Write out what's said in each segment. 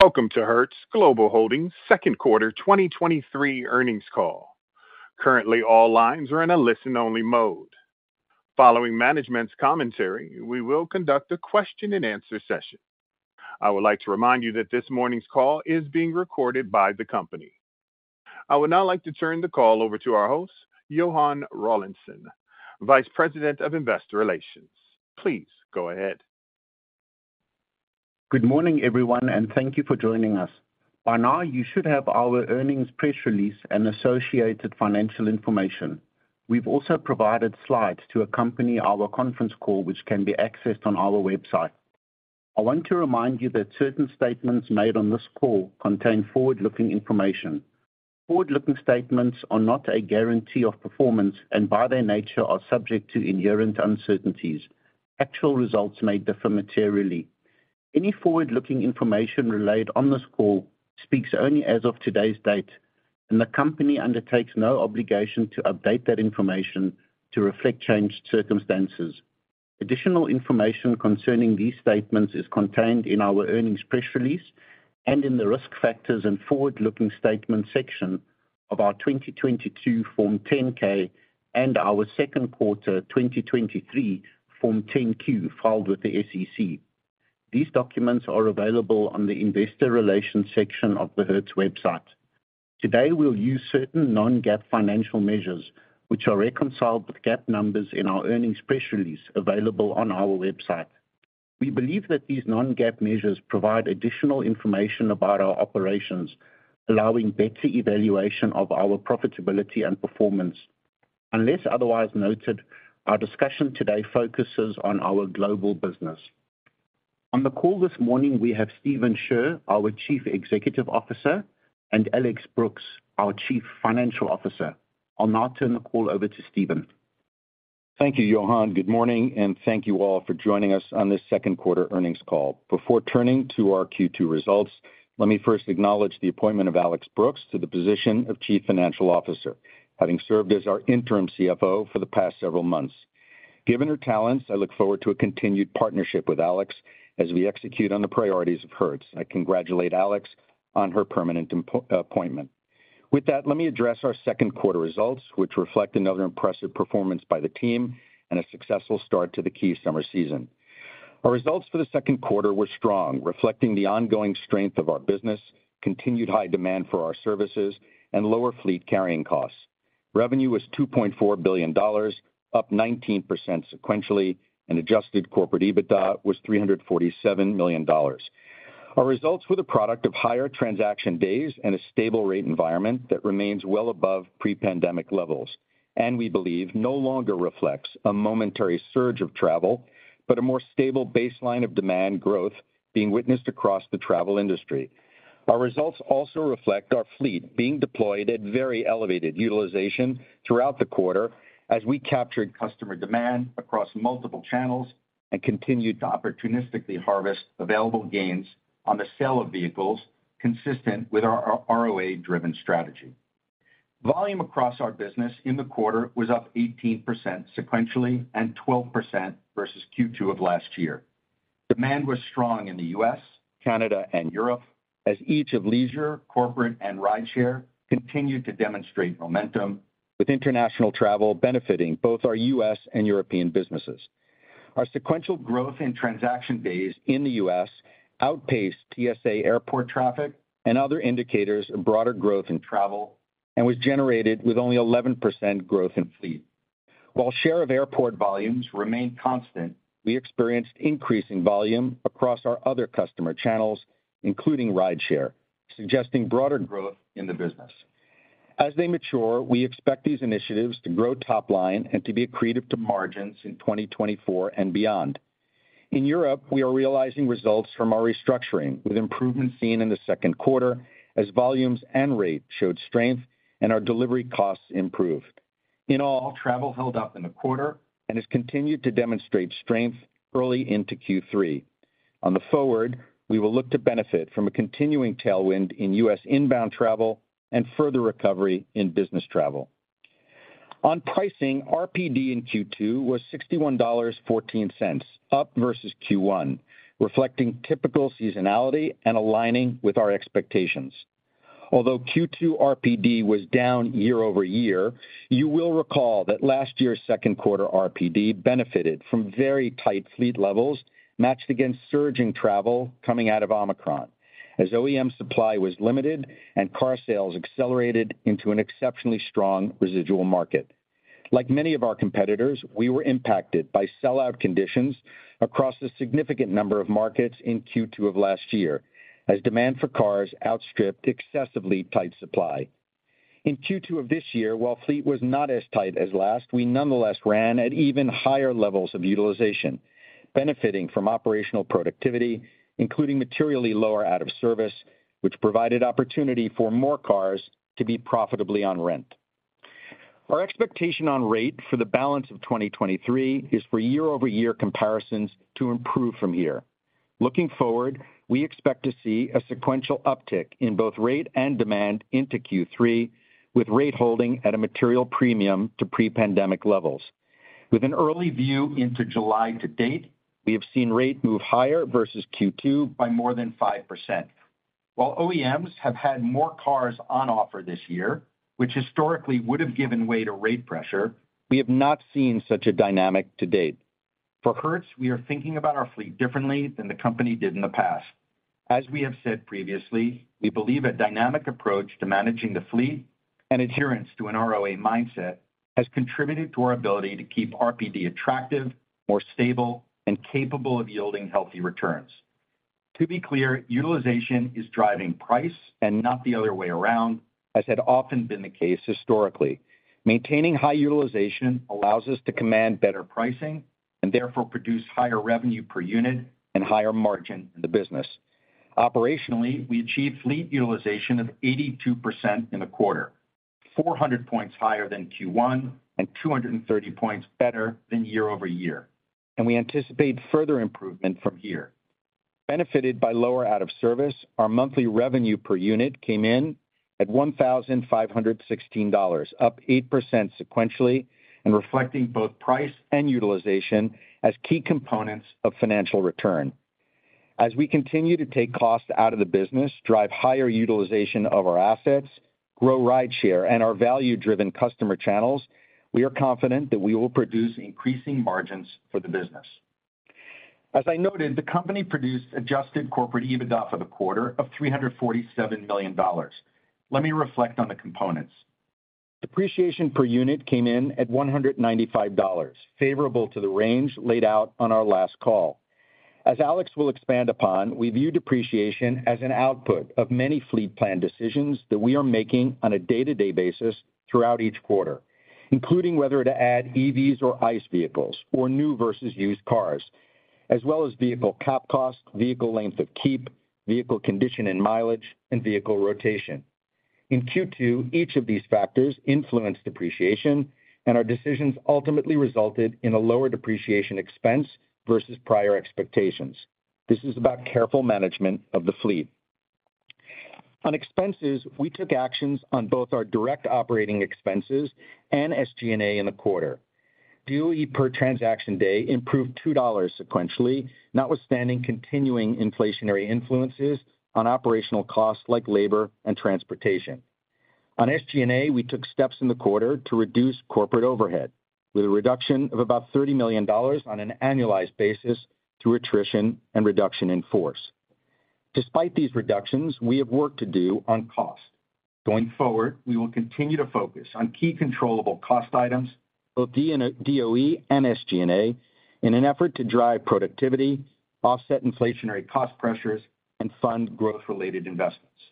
Welcome to Hertz Global Holdings second quarter 2023 earnings call. Currently, all lines are in a listen-only mode. Following management's commentary, we will conduct a question-and-answer session. I would like to remind you that this morning's call is being recorded by the company. I would now like to turn the call over to our host, Johann Rawlinson, Vice President of Investor Relations. Please go ahead. Good morning, everyone, and thank you for joining us. By now, you should have our earnings press release and associated financial information. We've also provided slides to accompany our conference call, which can be accessed on our website. I want to remind you that certain statements made on this call contain forward-looking information. Forward-looking statements are not a guarantee of performance and, by their nature, are subject to inherent uncertainties. Actual results may differ materially. Any forward-looking information relayed on this call speaks only as of today's date, and the company undertakes no obligation to update that information to reflect changed circumstances. Additional information concerning these statements is contained in our earnings press release and in the Risk Factors and Forward-Looking Statements section of our 2022 Form 10-K and our second quarter 2023 Form 10-Q, filed with the SEC. These documents are available on the Investor Relations section of the Hertz website. Today, we'll use certain non-GAAP financial measures, which are reconciled with GAAP numbers in our earnings press release available on our website. We believe that these non-GAAP measures provide additional information about our operations, allowing better evaluation of our profitability and performance. Unless otherwise noted, our discussion today focuses on our global business. On the call this morning, we have Stephen Scherr, our Chief Executive Officer, and Alex Brooks, our Chief Financial Officer. I'll now turn the call over to Stephen. Thank you, Johann. Good morning, thank you all for joining us on this second quarter earnings call. Before turning to our Q2 results, let me first acknowledge the appointment of Alex Brooks to the position of Chief Financial Officer, having served as our interim CFO for the past several months. Given her talents, I look forward to a continued partnership with Alex as we execute on the priorities of Hertz. I congratulate Alex on her permanent appointment. With that, let me address our second quarter results, which reflect another impressive performance by the team and a successful start to the key summer season. Our results for the second quarter were strong, reflecting the ongoing strength of our business, continued high demand for our services, and lower fleet carrying costs. Revenue was $2.4 billion, up 19% sequentially, and adjusted corporate EBITDA was $347 million. Our results were the product of higher transaction days and a stable rate environment that remains well above pre-pandemic levels, and we believe no longer reflects a momentary surge of travel, but a more stable baseline of demand growth being witnessed across the travel industry. Our results also reflect our fleet being deployed at very elevated utilization throughout the quarter, as we captured customer demand across multiple channels and continued to opportunistically harvest available gains on the sale of vehicles, consistent with our ROA-driven strategy. Volume across our business in the quarter was up 18% sequentially and 12% versus Q2 of last year. Demand was strong in the U.S., Canada, and Europe, as each of leisure, corporate, and Rideshare continued to demonstrate momentum, with international travel benefiting both our U.S. and European businesses. Our sequential growth in transaction days in the U.S. outpaced TSA airport traffic and other indicators of broader growth in travel and was generated with only 11% growth in fleet. While share of airport volumes remained constant, we experienced increasing volume across our other customer channels, including Rideshare, suggesting broader growth in the business. As they mature, we expect these initiatives to grow topline and to be accretive to margins in 2024 and beyond. In Europe, we are realizing results from our restructuring, with improvement seen in the second quarter as volumes and rate showed strength and our delivery costs improved. In all, travel held up in the quarter and has continued to demonstrate strength early into Q3. On the forward, we will look to benefit from a continuing tailwind in U.S. inbound travel and further recovery in business travel. On pricing, RPD in Q2 was $61.14, up versus Q1, reflecting typical seasonality and aligning with our expectations. Although Q2 RPD was down year-over-year, you will recall that last year's second quarter RPD benefited from very tight fleet levels matched against surging travel coming out of Omicron, as OEM supply was limited and car sales accelerated into an exceptionally strong residual market. Like many of our competitors, we were impacted by sell-out conditions across a significant number of markets in Q2 of last year, as demand for cars outstripped excessively tight supply. In Q2 of this year, while fleet was not as tight as last, we nonetheless ran at even higher levels of utilization, benefiting from operational productivity, including materially lower out of service, which provided opportunity for more cars to be profitably on rent. Our expectation on rate for the balance of 2023 is for year-over-year comparisons to improve from here. Looking forward, we expect to see a sequential uptick in both rate and demand into Q3, with rate holding at a material premium to pre-pandemic levels. With an early view into July to date, we have seen rate move higher versus Q2 by more than 5%. OEMs have had more cars on offer this year, which historically would have given way to rate pressure, we have not seen such a dynamic to date. For Hertz, we are thinking about our fleet differently than the company did in the past. As we have said previously, we believe a dynamic approach to managing the fleet and adherence to an ROA mindset has contributed to our ability to keep RPD attractive, more stable, and capable of yielding healthy returns. To be clear, utilization is driving price and not the other way around, as had often been the case historically. Maintaining high utilization allows us to command better pricing and therefore produce higher revenue per unit and higher margin in the business. Operationally, we achieved fleet utilization of 82% in the quarter, 400 points higher than Q1 and 230 points better than year-over-year, and we anticipate further improvement from here. Benefited by lower out of service, our monthly revenue per unit came in at $1,516, up 8% sequentially, reflecting both price and utilization as key components of financial return. As we continue to take costs out of the business, drive higher utilization of our assets, grow Rideshare and our value-driven customer channels, we are confident that we will produce increasing margins for the business. As I noted, the company produced adjusted corporate EBITDA for the quarter of $347 million. Let me reflect on the components. Depreciation per unit came in at $195, favorable to the range laid out on our last call. As Alex will expand upon, we view depreciation as an output of many fleet plan decisions that we are making on a day-to-day basis throughout each quarter, including whether to add EVs or ICE vehicles, or new versus used cars, as well as vehicle cap cost, vehicle length of keep, vehicle condition and mileage, and vehicle rotation. In Q2, each of these factors influenced depreciation, and our decisions ultimately resulted in a lower depreciation expense versus prior expectations. This is about careful management of the fleet. On expenses, we took actions on both our direct operating expenses and SG&A in the quarter. DOE per transaction day improved $2 sequentially, notwithstanding continuing inflationary influences on operational costs like labor and transportation. On SG&A, we took steps in the quarter to reduce corporate overhead, with a reduction of about $30 million on an annualized basis through attrition and reduction in force. Despite these reductions, we have work to do on cost. Going forward, we will continue to focus on key controllable cost items, both DOE and SG&A, in an effort to drive productivity, offset inflationary cost pressures, and fund growth-related investments.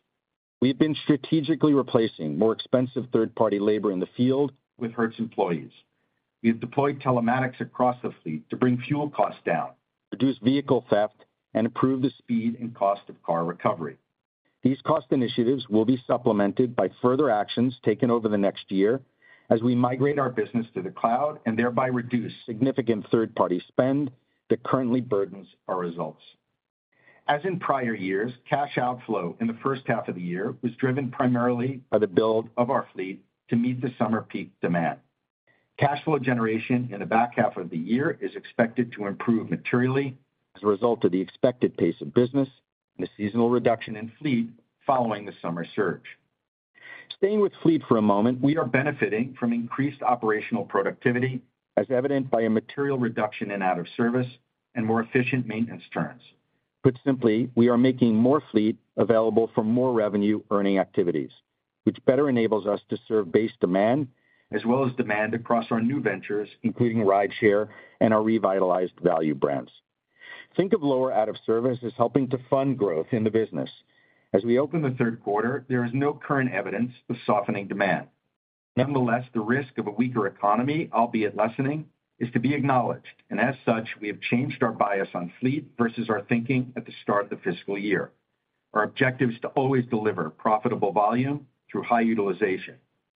We have been strategically replacing more expensive third-party labor in the field with Hertz employees. We have deployed telematics across the fleet to bring fuel costs down, reduce vehicle theft, and improve the speed and cost of car recovery. These cost initiatives will be supplemented by further actions taken over the next year as we migrate our business to the cloud and thereby reduce significant third-party spend that currently burdens our results. As in prior years, cash outflow in the first half of the year was driven primarily by the build of our fleet to meet the summer peak demand. Cash flow generation in the back half of the year is expected to improve materially as a result of the expected pace of business and the seasonal reduction in fleet following the summer surge. Staying with fleet for a moment, we are benefiting from increased operational productivity, as evidenced by a material reduction in out of service and more efficient maintenance turns. Put simply, we are making more fleet available for more revenue-earning activities, which better enables us to serve base demand, as well as demand across our new ventures, including Rideshare and our revitalized value brands. Think of lower out of service as helping to fund growth in the business. As we open the third quarter, there is no current evidence of softening demand. Nonetheless, the risk of a weaker economy, albeit lessening, is to be acknowledged, and as such, we have changed our bias on fleet versus our thinking at the start of the fiscal year. Our objective is to always deliver profitable volume through high utilization.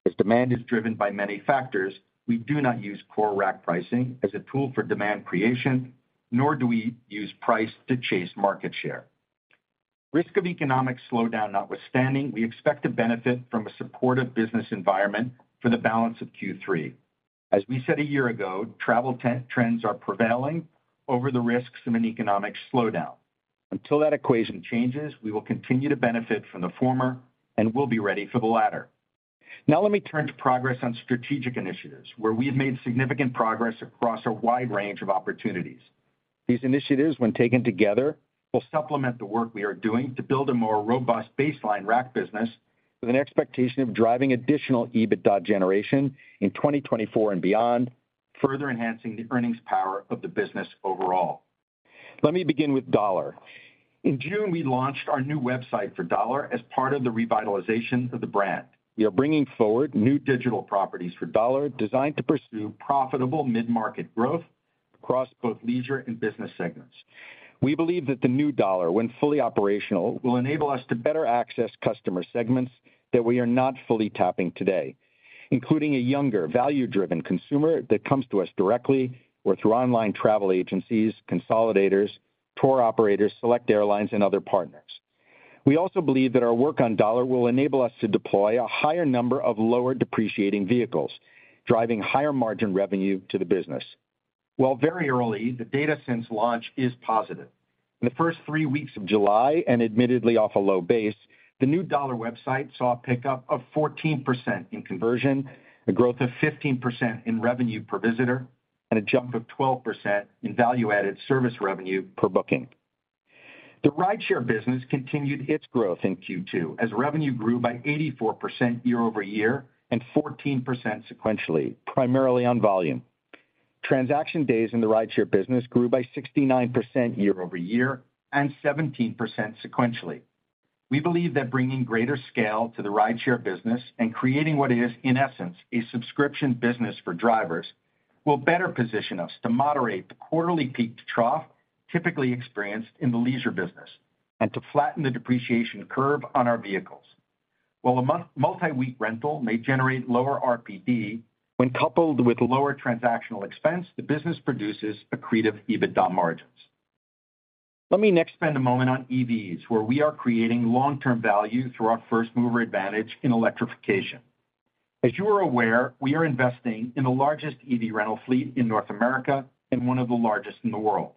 As demand is driven by many factors, we do not use core rack pricing as a tool for demand creation, nor do we use price to chase market share. Risk of economic slowdown notwithstanding, we expect to benefit from a supportive business environment for the balance of Q3. As we said a year ago, travel trends are prevailing over the risks of an economic slowdown. Until that equation changes, we will continue to benefit from the former and we'll be ready for the latter. Now let me turn to progress on strategic initiatives, where we have made significant progress across a wide range of opportunities. These initiatives, when taken together, will supplement the work we are doing to build a more robust baseline rack business with an expectation of driving additional EBITDA generation in 2024 and beyond, further enhancing the earnings power of the business overall. Let me begin with Dollar. In June, we launched our new website for Dollar as part of the revitalization of the brand. We are bringing forward new digital properties for Dollar, designed to pursue profitable mid-market growth across both leisure and business segments. We believe that the new Dollar, when fully operational, will enable us to better access customer segments that we are not fully tapping today, including a younger, value-driven consumer that comes to us directly or through online travel agencies, consolidators, tour operators, select airlines, and other partners. We also believe that our work on Dollar will enable us to deploy a higher number of lower depreciating vehicles, driving higher margin revenue to the business. Very early, the data since launch is positive. In the first three weeks of July, admittedly off a low base, the new Dollar website saw a pickup of 14% in conversion, a growth of 15% in revenue per visitor, and a jump of 12% in value-added service revenue per booking. The Rideshare business continued its growth in Q2, as revenue grew by 84% year-over-year and 14% sequentially, primarily on volume. Transaction days in the Rideshare business grew by 69% year-over-year and 17% sequentially. We believe that bringing greater scale to the Rideshare business and creating what is, in essence, a subscription business for drivers, will better position us to moderate the quarterly peak to trough typically experienced in the leisure business, and to flatten the depreciation curve on our vehicles. While a multi-week rental may generate lower RPD, when coupled with lower transactional expense, the business produces accretive EBITDA margins. Let me next spend a moment on EVs, where we are creating long-term value through our first mover advantage in electrification. As you are aware, we are investing in the largest EV rental fleet in North America and one of the largest in the world.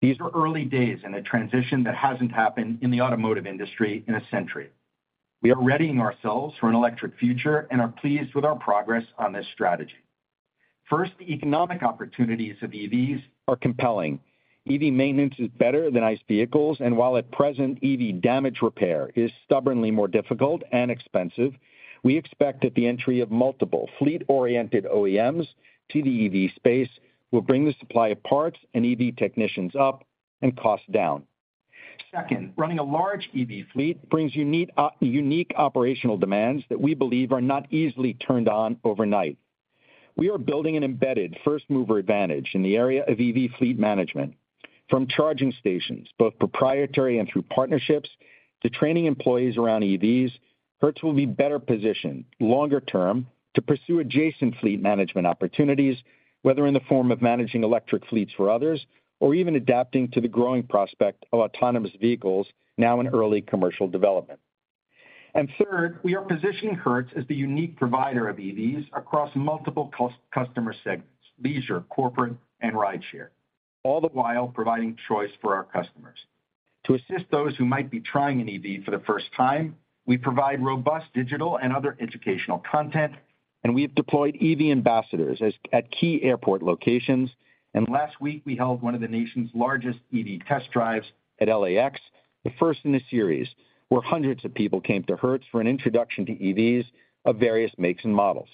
These are early days in a transition that hasn't happened in the automotive industry in a century. We are readying ourselves for an electric future and are pleased with our progress on this strategy. First, the economic opportunities of EVs are compelling. EV maintenance is better than ICE vehicles, and while at present, EV damage repair is stubbornly more difficult and expensive, we expect that the entry of multiple fleet-oriented OEMs to the EV space will bring the supply of parts and EV technicians up and costs down. Second, running a large EV fleet brings unique operational demands that we believe are not easily turned on overnight. We are building an embedded first-mover advantage in the area of EV fleet management. From charging stations, both proprietary and through partnerships, to training employees around EVs, Hertz will be better positioned longer term to pursue adjacent fleet management opportunities, whether in the form of managing electric fleets for others or even adapting to the growing prospect of autonomous vehicles now in early commercial development. Third, we are positioning Hertz as the unique provider of EVs across multiple customer segments, leisure, corporate, and Rideshare, all the while providing choice for our customers. To assist those who might be trying an EV for the first time, we provide robust digital and other educational content, and we have deployed EV ambassadors at key airport locations, and last week, we held one of the nation's largest EV test drives at LAX, the first in a series, where hundreds of people came to Hertz for an introduction to EVs of various makes and models.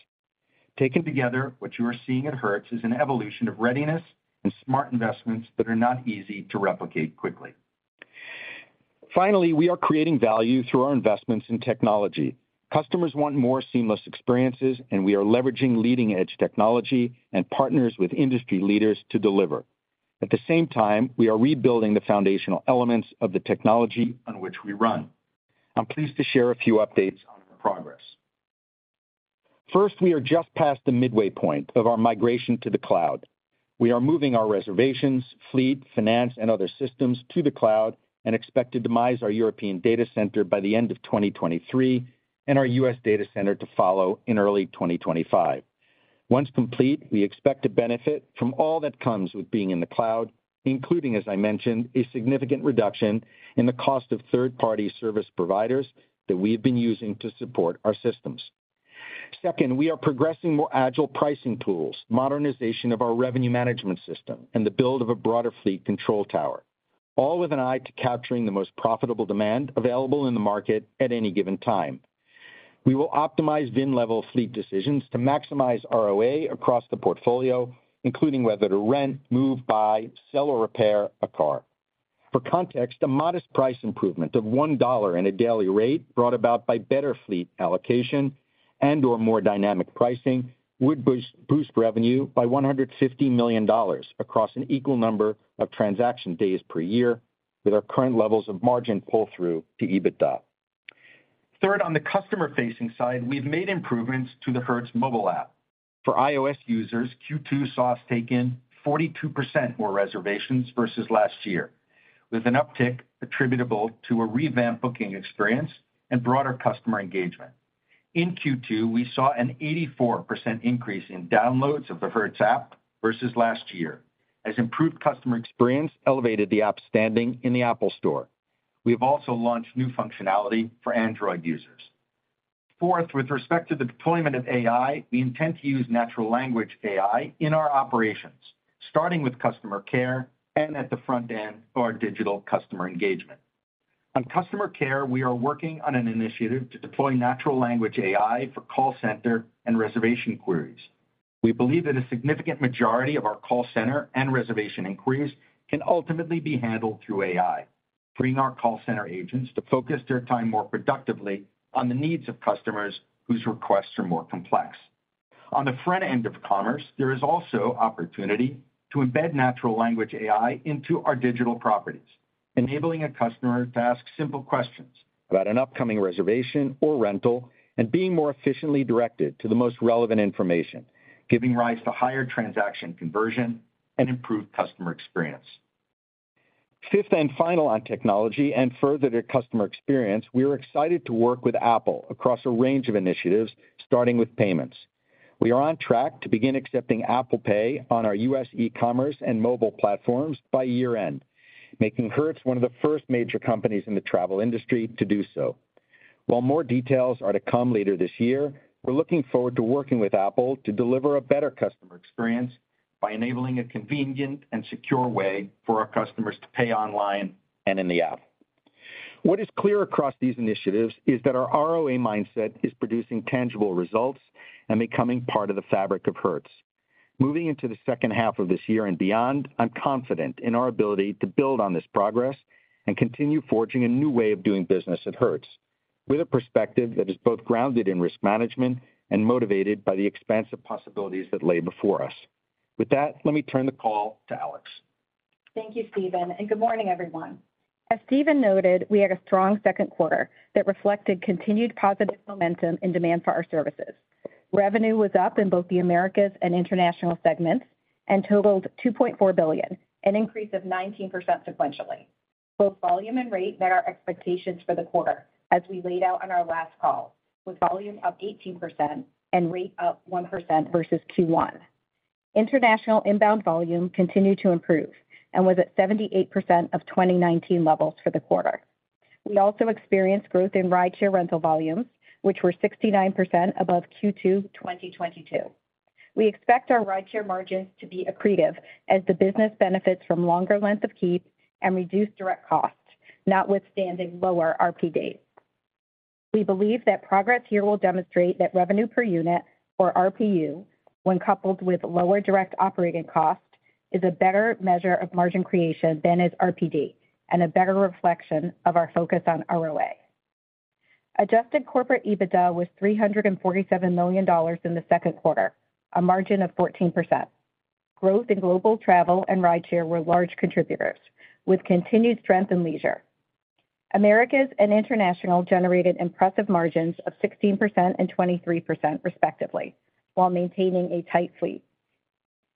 Taken together, what you are seeing at Hertz is an evolution of readiness and smart investments that are not easy to replicate quickly. We are creating value through our investments in technology. Customers want more seamless experiences, we are leveraging leading-edge technology and partners with industry leaders to deliver. At the same time, we are rebuilding the foundational elements of the technology on which we run. I'm pleased to share a few updates on our progress. We are just past the midway point of our migration to the cloud. We are moving our reservations, fleet, finance, and other systems to the cloud and expect to demise our European data center by the end of 2023 and our U.S. data center to follow in early 2025. Once complete, we expect to benefit from all that comes with being in the cloud, including, as I mentioned, a significant reduction in the cost of third-party service providers that we have been using to support our systems. Second, we are progressing more agile pricing tools, modernization of our revenue management system, and the build of a broader fleet control tower, all with an eye to capturing the most profitable demand available in the market at any given time. We will optimize VIN-level fleet decisions to maximize ROA across the portfolio, including whether to rent, move, buy, sell, or repair a car. For context, a modest price improvement of $1 in a daily rate brought about by better fleet allocation and/or more dynamic pricing would boost revenue by $150 million across an equal number of transaction days per year, with our current levels of margin pull-through to EBITDA. Third, on the customer-facing side, we've made improvements to the Hertz mobile app. For iOS users, Q2 saw us taking 42% more reservations versus last year, with an uptick attributable to a revamped booking experience and broader customer engagement. In Q2, we saw an 84% increase in downloads of the Hertz app versus last year, as improved customer experience elevated the app's standing in the Apple Store. We have also launched new functionality for Android users. Fourth, with respect to the deployment of AI, we intend to use natural language AI in our operations, starting with customer care and at the front end of our digital customer engagement. On customer care, we are working on an initiative to deploy natural language AI for call center and reservation queries. We believe that a significant majority of our call center and reservation inquiries can ultimately be handled through AI, freeing our call center agents to focus their time more productively on the needs of customers whose requests are more complex. On the front end of commerce, there is also opportunity to embed natural language AI into our digital properties, enabling a customer to ask simple questions about an upcoming reservation or rental and being more efficiently directed to the most relevant information, giving rise to higher transaction conversion and improved customer experience. Fifth and final on technology and further to customer experience, we are excited to work with Apple across a range of initiatives, starting with payments. We are on track to begin accepting Apple Pay on our U.S. e-commerce and mobile platforms by year-end, making Hertz one of the first major companies in the travel industry to do so. While more details are to come later this year, we're looking forward to working with Apple to deliver a better customer experience by enabling a convenient and secure way for our customers to pay online and in the app. What is clear across these initiatives is that our ROA mindset is producing tangible results and becoming part of the fabric of Hertz. Moving into the second half of this year and beyond, I'm confident in our ability to build on this progress and continue forging a new way of doing business at Hertz, with a perspective that is both grounded in risk management and motivated by the expansive possibilities that lay before us. With that, let me turn the call to Alex. Thank you, Stephen. Good morning, everyone. As Stephen noted, we had a strong second quarter that reflected continued positive momentum in demand for our services. Revenue was up in both the Americas and International segments and totaled $2.4 billion, an increase of 19% sequentially. Both volume and rate met our expectations for the quarter, as we laid out on our last call, with volume up 18% and rate up 1% versus Q1. International inbound volume continued to improve and was at 78% of 2019 levels for the quarter. We also experienced growth in Rideshare rental volumes, which were 69% above Q2 2022. We expect our Rideshare margins to be accretive as the business benefits from longer length of keep and reduced direct costs, notwithstanding lower RPD. We believe that progress here will demonstrate that revenue per unit, or RPU, when coupled with lower direct operating costs, is a better measure of margin creation than is RPD and a better reflection of our focus on ROA. Adjusted corporate EBITDA was $347 million in the second quarter, a margin of 14%. Growth in global travel and Rideshare were large contributors, with continued strength in leisure. Americas and International generated impressive margins of 16% and 23%, respectively, while maintaining a tight fleet.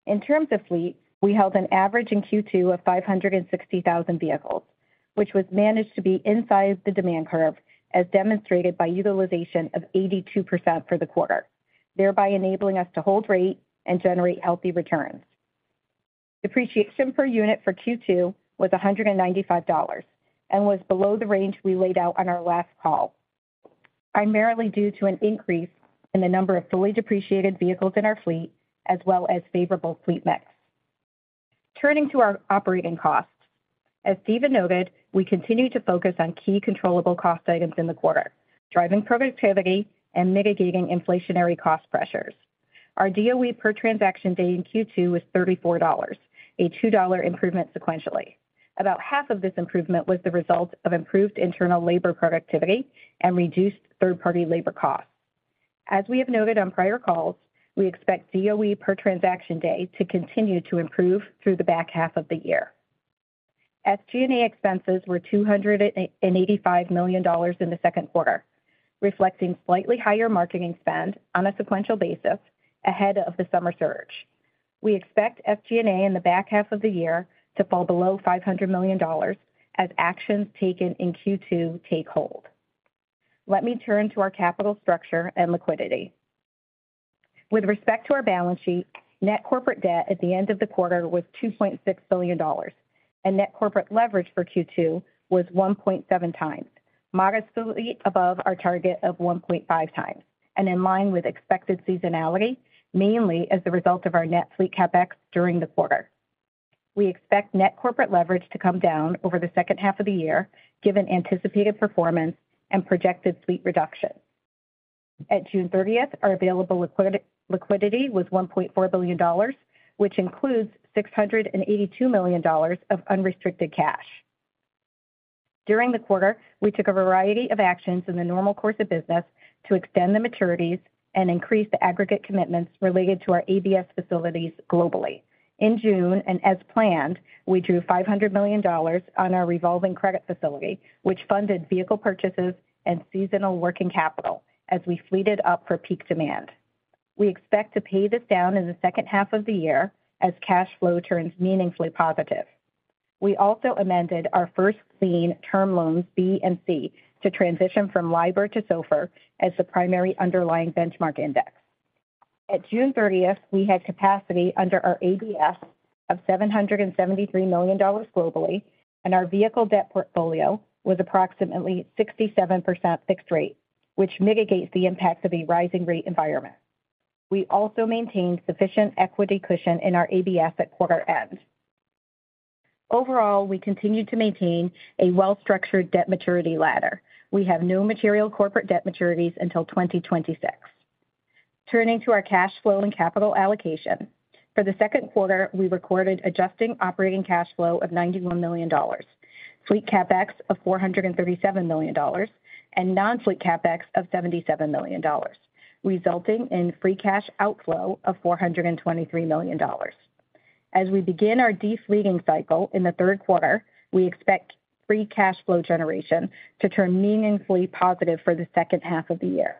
In terms of fleet, we held an average in Q2 of 560,000 vehicles, which was managed to be inside the demand curve, as demonstrated by utilization of 82% for the quarter, thereby enabling us to hold rate and generate healthy returns. Depreciation per unit for Q2 was $195 and was below the range we laid out on our last call, primarily due to an increase in the number of fully depreciated vehicles in our fleet, as well as favorable fleet mix. Turning to our operating costs. As Stephen noted, we continue to focus on key controllable cost items in the quarter, driving productivity and mitigating inflationary cost pressures. Our DOE per transaction day in Q2 was $34, a $2 improvement sequentially. About half of this improvement was the result of improved internal labor productivity and reduced third-party labor costs. As we have noted on prior calls, we expect DOE per transaction day to continue to improve through the back half of the year. SG&A expenses were $285 million in the second quarter, reflecting slightly higher marketing spend on a sequential basis ahead of the summer surge. We expect SG&A in the back half of the year to fall below $500 million as actions taken in Q2 take hold. Let me turn to our capital structure and liquidity. With respect to our balance sheet, net corporate debt at the end of the quarter was $2.6 billion, and net corporate leverage for Q2 was 1.7x, modestly above our target of 1.5x and in line with expected seasonality, mainly as a result of our net fleet CapEx during the quarter. We expect net corporate leverage to come down over the second half of the year, given anticipated performance and projected fleet reduction. At June 30th, our available liquidity was $1.4 billion, which includes $682 million of unrestricted cash. During the quarter, we took a variety of actions in the normal course of business to extend the maturities and increase the aggregate commitments related to our ABS facilities globally. In June, as planned, we drew $500 million on our revolving credit facility, which funded vehicle purchases and seasonal working capital as we fleeted up for peak demand. We expect to pay this down in the second half of the year as cash flow turns meaningfully positive. Also amended our first lien term loans B and C to transition from LIBOR to SOFR as the primary underlying benchmark index. At June 30th, we had capacity under our ABS of $773 million globally, and our vehicle debt portfolio was approximately 67% fixed rate, which mitigates the impact of a rising rate environment. We also maintained sufficient equity cushion in our ABS at quarter end. Overall, we continue to maintain a well-structured debt maturity ladder. We have no material corporate debt maturities until 2026. Turning to our cash flow and capital allocation. For the second quarter, we recorded adjusting operating cash flow of $91 million, fleet CapEx of $437 million, and non-fleet CapEx of $77 million, resulting in free cash outflow of $423 million. As we begin our de-fleeting cycle in the third quarter, we expect free cash flow generation to turn meaningfully positive for the second half of the year.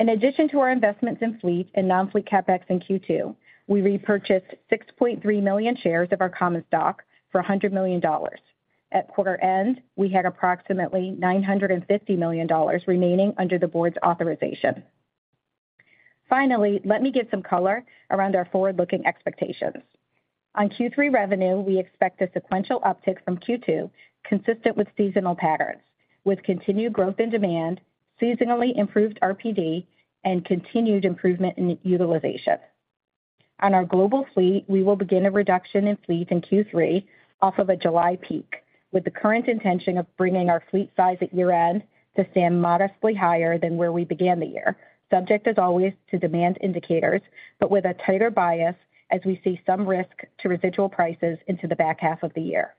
In addition to our investments in fleet and non-fleet CapEx in Q2, we repurchased 6.3 million shares of our common stock for $100 million. At quarter end, we had approximately $950 million remaining under the board's authorization. Let me give some color around our forward-looking expectations. On Q3 revenue, we expect a sequential uptick from Q2, consistent with seasonal patterns, with continued growth in demand, seasonally improved RPD, and continued improvement in utilization. On our global fleet, we will begin a reduction in fleet in Q3 off of a July peak, with the current intention of bringing our fleet size at year-end to stand modestly higher than where we began the year, subject as always, to demand indicators, but with a tighter bias as we see some risk to residual prices into the back half of the year.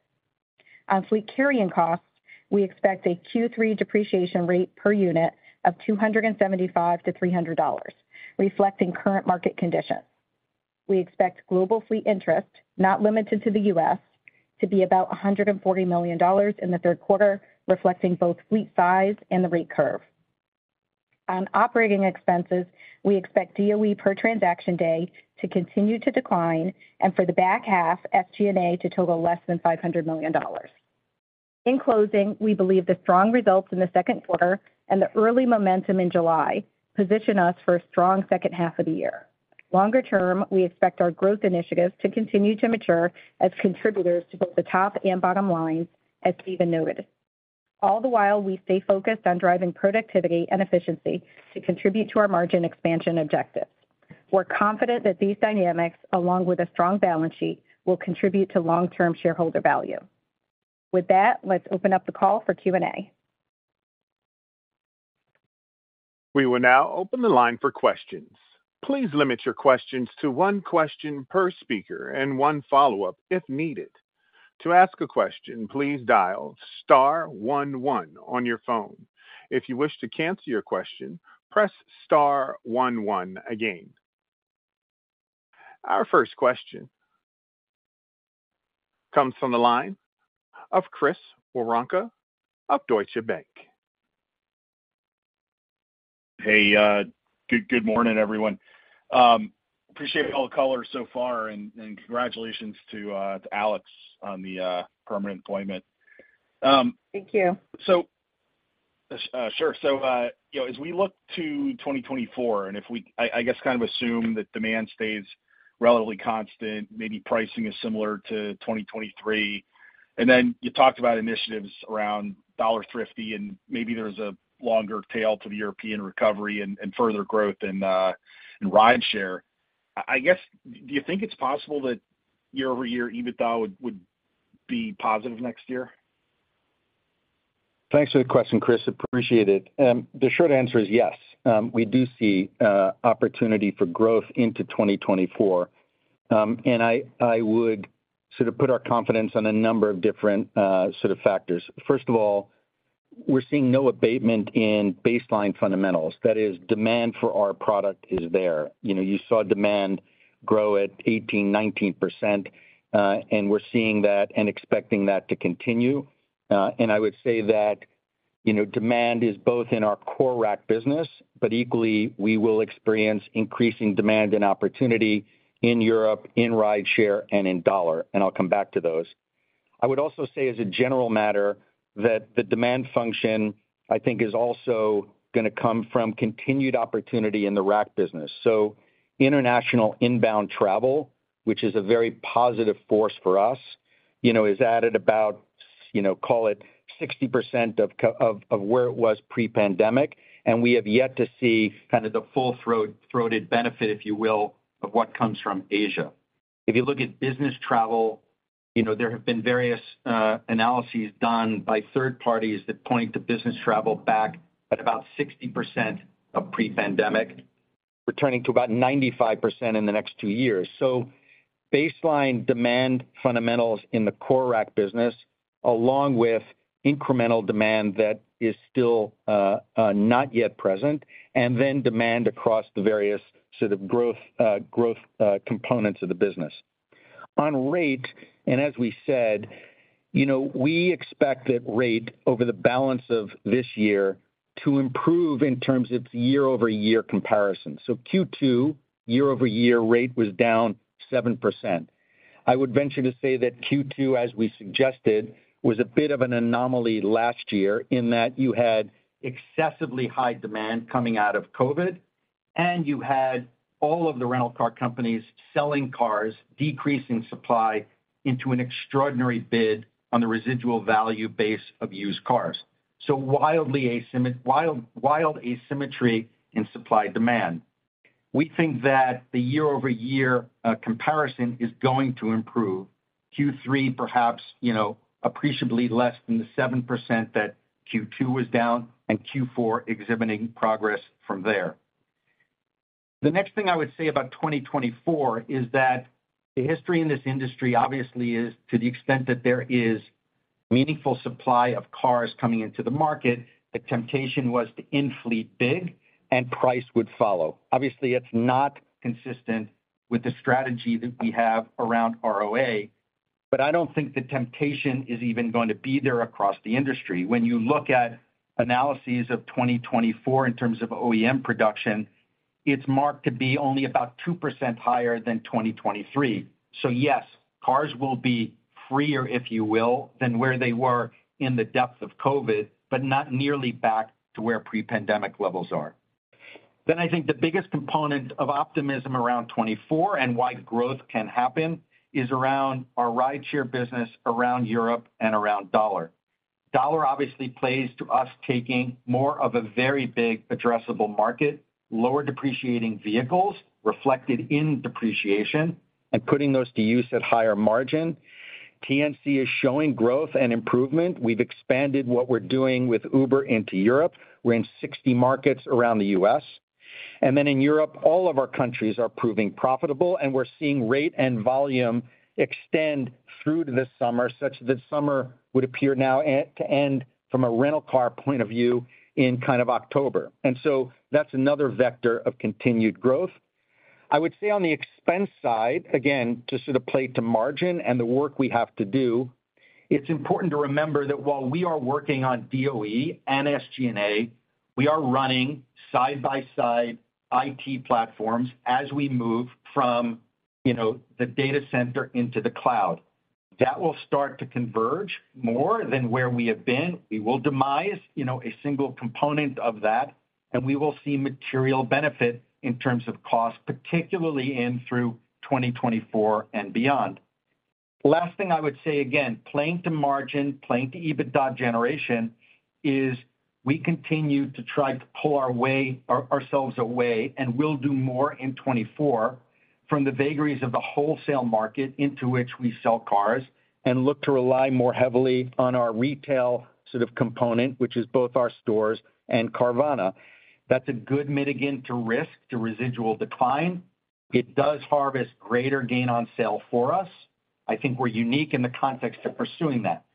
On fleet carrying costs, we expect a Q3 depreciation rate per unit of $275-$300, reflecting current market conditions. We expect global fleet interest, not limited to the U.S., to be about $140 million in the third quarter, reflecting both fleet size and the rate curve. On operating expenses, we expect DOE per transaction day to continue to decline and for the back half, SG&A to total less than $500 million. In closing, we believe the strong results in the second quarter and the early momentum in July position us for a strong second half of the year. Longer term, we expect our growth initiatives to continue to mature as contributors to both the top and bottom line, as Stephen noted. All the while, we stay focused on driving productivity and efficiency to contribute to our margin expansion objective. We're confident that these dynamics, along with a strong balance sheet, will contribute to long-term shareholder value. With that, let's open up the call for Q&A. We will now open the line for questions. Please limit your questions to one question per speaker and one follow-up, if needed. To ask a question, please dial star one one on your phone. If you wish to cancel your question, press star one one again. Our first question comes from the line of Chris Woronka of Deutsche Bank. Hey, good morning, everyone. Appreciate all the color so far, and congratulations to Alex on the permanent appointment. Thank you. Sure. you know, as we look to 2024, and if we, I guess kind of assume that demand stays relatively constant, maybe pricing is similar to 2023. You talked about initiatives around Dollar Thrifty, and maybe there's a longer tail to the European recovery and further growth in Rideshare. I guess, do you think it's possible that year-over-year EBITDA would be positive next year? Thanks for the question, Chris. Appreciate it. The short answer is yes. We do see opportunity for growth into 2024. I would sort of put our confidence on a number of different factors. First of all, we're seeing no abatement in baseline fundamentals. That is, demand for our product is there. You know, you saw demand grow at 18%, 19%, and we're seeing that and expecting that to continue. I would say that, you know, demand is both in our core rack business, but equally, we will experience increasing demand and opportunity in Europe, in Rideshare, and in Dollar, and I'll come back to those. I would also say, as a general matter, that the demand function, I think, is also going to come from continued opportunity in the rack business. International inbound travel, which is a very positive force for us, you know, is at about, you know, call it 60% of where it was pre-pandemic, and we have yet to see kind of the full-throated benefit, if you will, of what comes from Asia. If you look at business travel, you know, there have been various analyses done by third parties that point to business travel back at about 60% of pre-pandemic, returning to about 95% in the next two years. Baseline demand fundamentals in the core rack business, along with incremental demand that is still not yet present, and then demand across the various sort of growth components of the business. On rate, as we said, you know, we expect that rate over the balance of this year to improve in terms of year-over-year comparison. Q2, year-over-year rate was down 7%. I would venture to say that Q2, as we suggested, was a bit of an anomaly last year in that you had excessively high demand coming out of COVID, and you had all of the rental car companies selling cars, decreasing supply into an extraordinary bid on the residual value base of used cars. Wildly wild asymmetry in supply-demand. We think that the year-over-year comparison is going to improve. Q3, perhaps, you know, appreciably less than the 7% that Q2 was down, Q4 exhibiting progress from there. The next thing I would say about 2024 is that the history in this industry obviously is to the extent that there is meaningful supply of cars coming into the market, the temptation was to in-fleet big and price would follow. Obviously, it's not consistent with the strategy that we have around ROA. I don't think the temptation is even going to be there across the industry. When you look at analyses of 2024 in terms of OEM production, it's marked to be only about 2% higher than 2023. Yes, cars will be freer, if you will, than where they were in the depth of COVID, but not nearly back to where pre-pandemic levels are. I think the biggest component of optimism around 2024 and why growth can happen, is around our Rideshare business, around Europe, and around Dollar. Dollar obviously plays to us taking more of a very big addressable market, lower depreciating vehicles reflected in depreciation, and putting those to use at higher margin. TNC is showing growth and improvement. We've expanded what we're doing with Uber into Europe. We're in 60 markets around the U.S.. In Europe, all of our countries are proving profitable, and we're seeing rate and volume extend through to the summer, such that summer would appear now to end from a rental car point of view in kind of October. That's another vector of continued growth. I would say on the expense side, again, to sort of play to margin and the work we have to do, it's important to remember that while we are working on DOE and SG&A, we are running side-by-side IT platforms as we move from, you know, the data center into the cloud. That will start to converge more than where we have been. We will demise, you know, a single component of that, and we will see material benefit in terms of cost, particularly in through 2024 and beyond. Last thing I would say, again, playing to margin, playing to EBITDA generation, is we continue to try to pull ourselves away, and we'll do more in 2024, from the vagaries of the wholesale market into which we sell cars and look to rely more heavily on our retail sort of component, which is both our stores and Carvana. That's a good mitigant to risk, to residual decline. It does harvest greater gain on sale for us. I think we're unique in the context of pursuing that.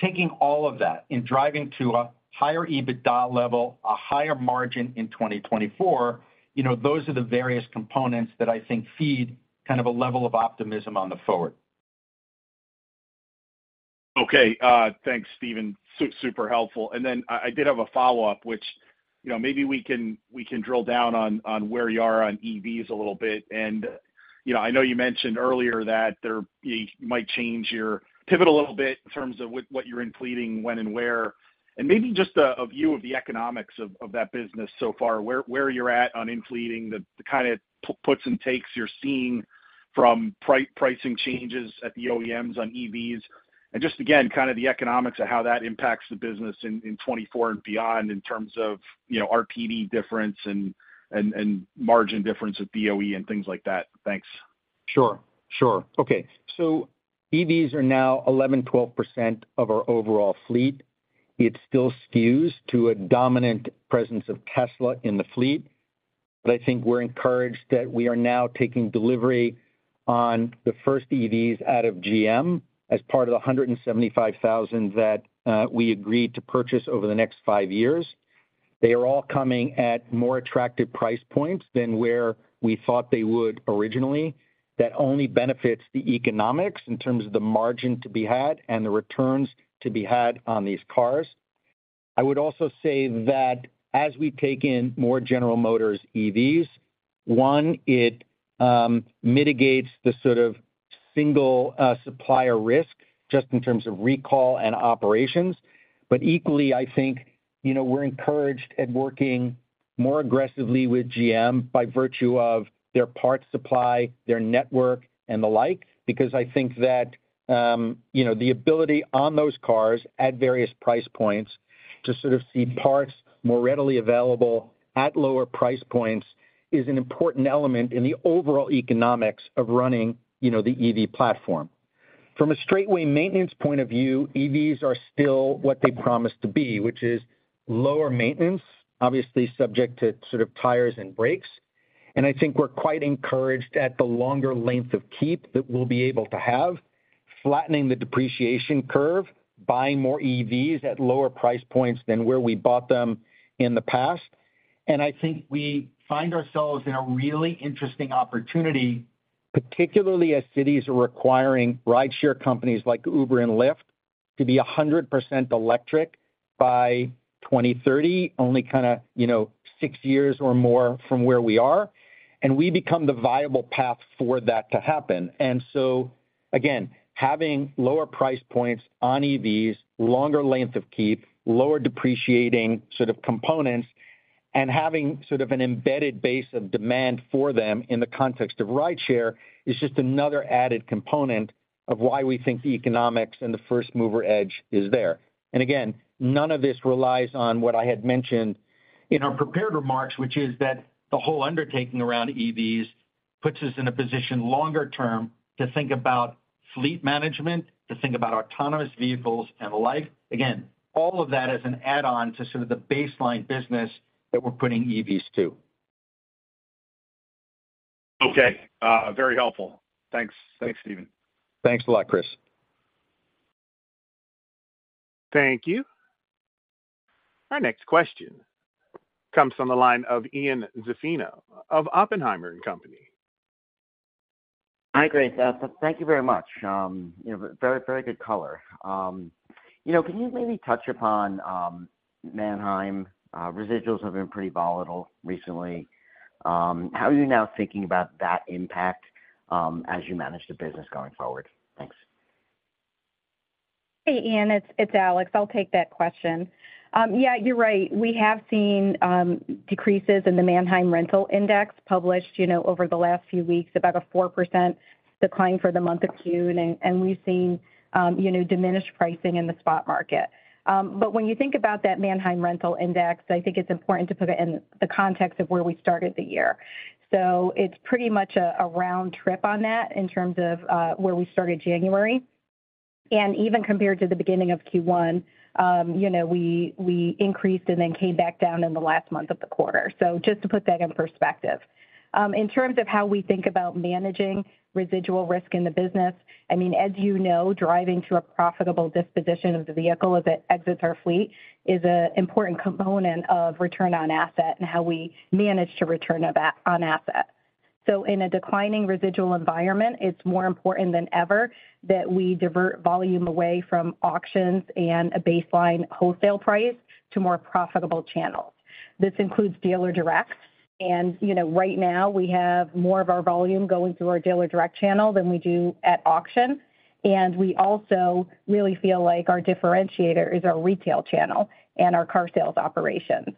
Taking all of that and driving to a higher EBITDA level, a higher margin in 2024, you know, those are the various components that I think feed kind of a level of optimism on the forward. Okay, thanks, Stephen. Super helpful. Then I, I did have a follow-up, which, you know, maybe we can, we can drill down on, on where you are on EVs a little bit. You know, I know you mentioned earlier that you might change your Pivot a little bit in terms of what, what you're in fleeting, when and where, and maybe just a, a view of the economics of, of that business so far. Where, where you're at on in fleeting, the, the kind of puts and takes you're seeing from pricing changes at the OEMs on EVs. Just again, kind of the economics of how that impacts the business in, in 2024 and beyond in terms of, you know, RPD difference and, and, and margin difference at DOE and things like that. Thanks. Sure. Sure. Okay, EVs are now 11%, 12% of our overall fleet. It still skews to a dominant presence of Tesla in the fleet, I think we're encouraged that we are now taking delivery on the first EVs out of GM as part of the 175,000 that we agreed to purchase over the next five years. They are all coming at more attractive price points than where we thought they would originally. That only benefits the economics in terms of the margin to be had and the returns to be had on these cars. I would also say that as we take in more General Motors EVs, one, it mitigates the sort of single supplier risk just in terms of recall and operations. Equally, I think, you know, we're encouraged at working more aggressively with GM by virtue of their parts supply, their network, and the like, because I think that, you know, the ability on those cars at various price points to sort of see parts more readily available at lower price points is an important element in the overall economics of running, you know, the EV platform. From a straight-way maintenance point of view, EVs are still what they promise to be, which is lower maintenance, obviously subject to sort of tires and brakes. I think we're quite encouraged at the longer length of keep that we'll be able to have, flattening the depreciation curve, buying more EVs at lower price points than where we bought them in the past. I think we find ourselves in a really interesting opportunity, particularly as cities are requiring Rideshare companies like Uber and Lyft to be 100% electric by 2030, only kind of, you know, six years or more from where we are, and we become the viable path for that to happen. Again, having lower price points on EVs, longer length of keep, lower depreciating sort of components, and having sort of an embedded base of demand for them in the context of Rideshare, is just another added component of why we think the economics and the first-mover edge is there. Again, none of this relies on what I had mentioned in our prepared remarks, which is that the whole undertaking around EVs puts us in a position longer term to think about fleet management, to think about autonomous vehicles and the like. All of that as an add-on to sort of the baseline business that we're putting EVs to. Okay, very helpful. Thanks. Thanks, Stephen. Thanks a lot, Chris. Thank you. Our next question comes from the line of Ian Zaffino of Oppenheimer & Company. Hi, great. Thank you very much. You know, very, very good color. You know, can you maybe touch upon Manheim? Residuals have been pretty volatile recently. How are you now thinking about that impact, as you manage the business going forward? Thanks. Hey, Ian, it's Alex. I'll take that question. Yeah, you're right. We have seen decreases in the Manheim Rental Index, published, you know, over the last few weeks, about a 4% decline for the month of June, and we've seen, you know, diminished pricing in the spot market. When you think about that Manheim Rental Index, I think it's important to put it in the context of where we started the year. It's pretty much a round trip on that in terms of where we started January. Even compared to the beginning of Q1, you know, we increased and then came back down in the last month of the quarter. Just to put that in perspective. In terms of how we think about managing residual risk in the business, I mean, as you know, driving to a profitable disposition of the vehicle as it exits our fleet is a important component of return on asset and how we manage to return on asset. In a declining residual environment, it's more important than ever that we divert volume away from auctions and a baseline wholesale price to more profitable channels. This includes dealer direct, and, you know, right now, we have more of our volume going through our dealer direct channel than we do at auction. We also really feel like our differentiator is our retail channel and our car sales operations.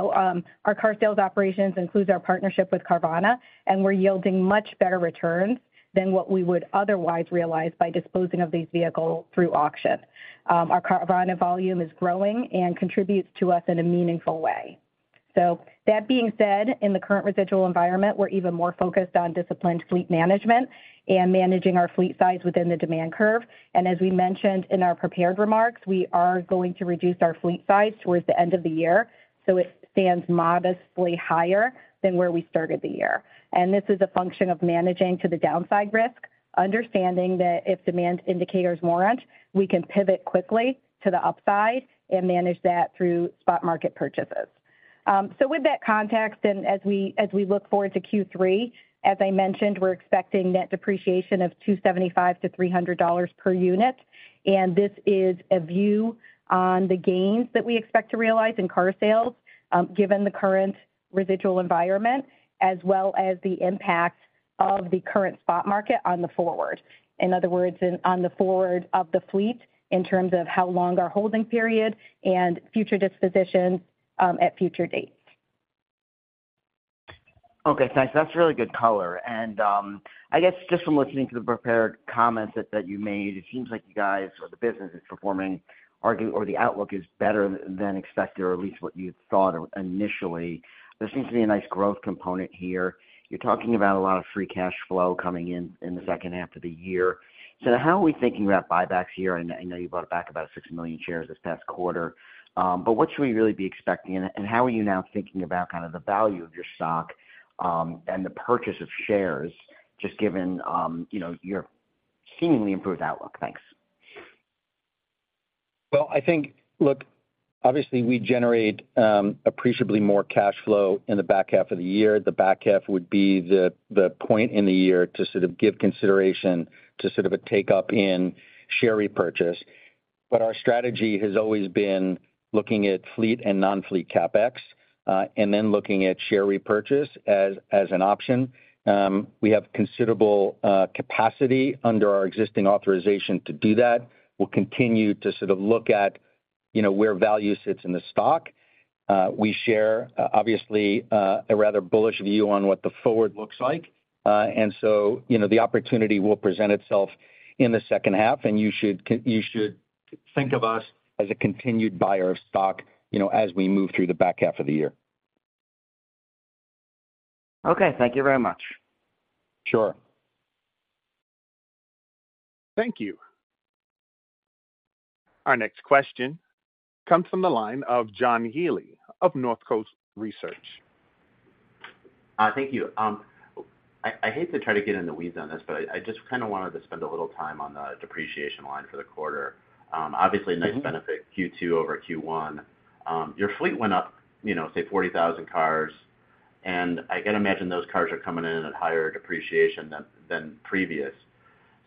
Our car sales operations includes our partnership with Carvana, and we're yielding much better returns than what we would otherwise realize by disposing of these vehicles through auction. Our Carvana volume is growing and contributes to us in a meaningful way. That being said, in the current residual environment, we're even more focused on disciplined fleet management and managing our fleet size within the demand curve. As we mentioned in our prepared remarks, we are going to reduce our fleet size towards the end of the year, so it stands modestly higher than where we started the year. This is a function of managing to the downside risk, understanding that if demand indicators warrant, we can pivot quickly to the upside and manage that through spot market purchases. With that context, as we look forward to Q3, as I mentioned, we're expecting net depreciation of $275-$300 per unit, this is a view on the gains that we expect to realize in car sales, given the current residual environment, as well as the impact of the current spot market on the forward. In other words, on the forward of the fleet, in terms of how long our holding period and future dispositions at future dates. Okay, thanks. That's really good color. I guess just from listening to the prepared comments you made, it seems like you guys, or the business is performing, or the outlook is better than expected, or at least what you thought initially. There seems to be a nice growth component here. You're talking about a lot of free cash flow coming in in the second half of the year. How are we thinking about buybacks here? I know you bought back about 6 million shares this past quarter. What should we really be expecting, and how are you now thinking about kind of the value of your stock, and the purchase of shares, just given, you know, your seemingly improved outlook? Thanks. Well, I think, look, obviously we generate appreciably more cash flow in the back half of the year. The back half would be the point in the year to sort of give consideration to sort of a take-up in share repurchase. Our strategy has always been looking at fleet and non-fleet CapEx, and then looking at share repurchase as an option. We have considerable capacity under our existing authorization to do that. We'll continue to sort of look at, you know, where value sits in the stock. We share, obviously, a rather bullish view on what the forward looks like. The opportunity will present itself in the second half, and you should think of us as a continued buyer of stock, you know, as we move through the back half of the year. Okay. Thank you very much. Sure. Thank you. Our next question comes from the line of John Healy of Northcoast Research. Thank you. I hate to try to get in the weeds on this, but I just kind of wanted to spend a little time on the depreciation line for the quarter. Mm-hmm. A nice benefit Q2 over Q1. Your fleet went up, you know, say, 40,000 cars, and I can imagine those cars are coming in at higher depreciation than previous.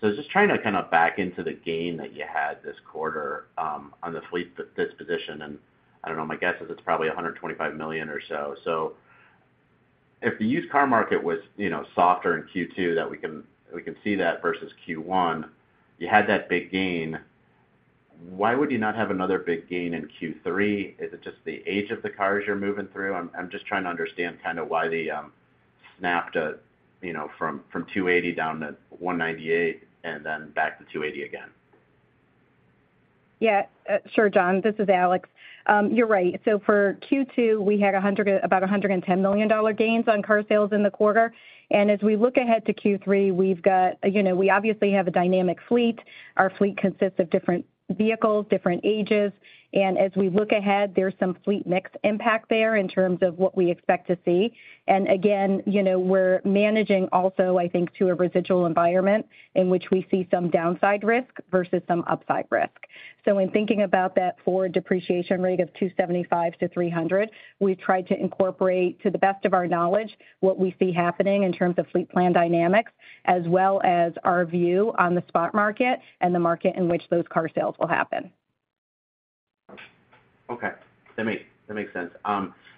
Just trying to kind of back into the gain that you had this quarter on the fleet disposition, and I don't know, my guess is it's probably $125 million or so. If the used car market was, you know, softer in Q2, that we can, we can see that versus Q1, you had that big gain. Why would you not have another big gain in Q3? Is it just the age of the cars you're moving through? I'm just trying to understand kind of why the, snapped, you know, from 280 down to 198 and then back to 280 again. Sure, John. This is Alex. You're right. For Q2, we had about $110 million gains on car sales in the quarter. As we look ahead to Q3, you know, we obviously have a dynamic fleet. Our fleet consists of different vehicles, different ages, and as we look ahead, there's some fleet mix impact there in terms of what we expect to see. Again, you know, we're managing also, I think, to a residual environment in which we see some downside risk versus some upside risk. In thinking about that forward depreciation rate of $275-$300, we've tried to incorporate, to the best of our knowledge, what we see happening in terms of fleet plan dynamics, as well as our view on the spot market and the market in which those car sales will happen. Okay, that makes sense.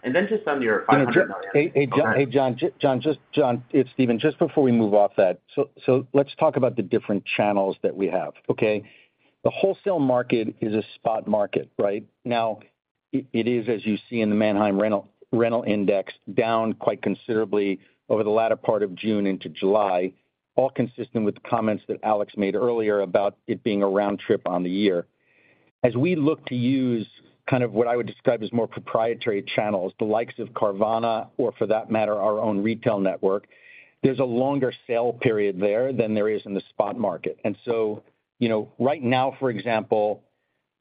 Then just on your $500 million- Hey, John, it's Stephen. Just before we move off that, let's talk about the different channels that we have, okay? The wholesale market is a spot market, right? Now, it is, as you see in the Manheim Rental Index, down quite considerably over the latter part of June into July, all consistent with the comments that Alex made earlier about it being a round trip on the year. As we look to use kind of what I would describe as more proprietary channels, the likes of Carvana, or for that matter, our own retail network, there's a longer sale period there than there is in the spot market. You know, right now, for example,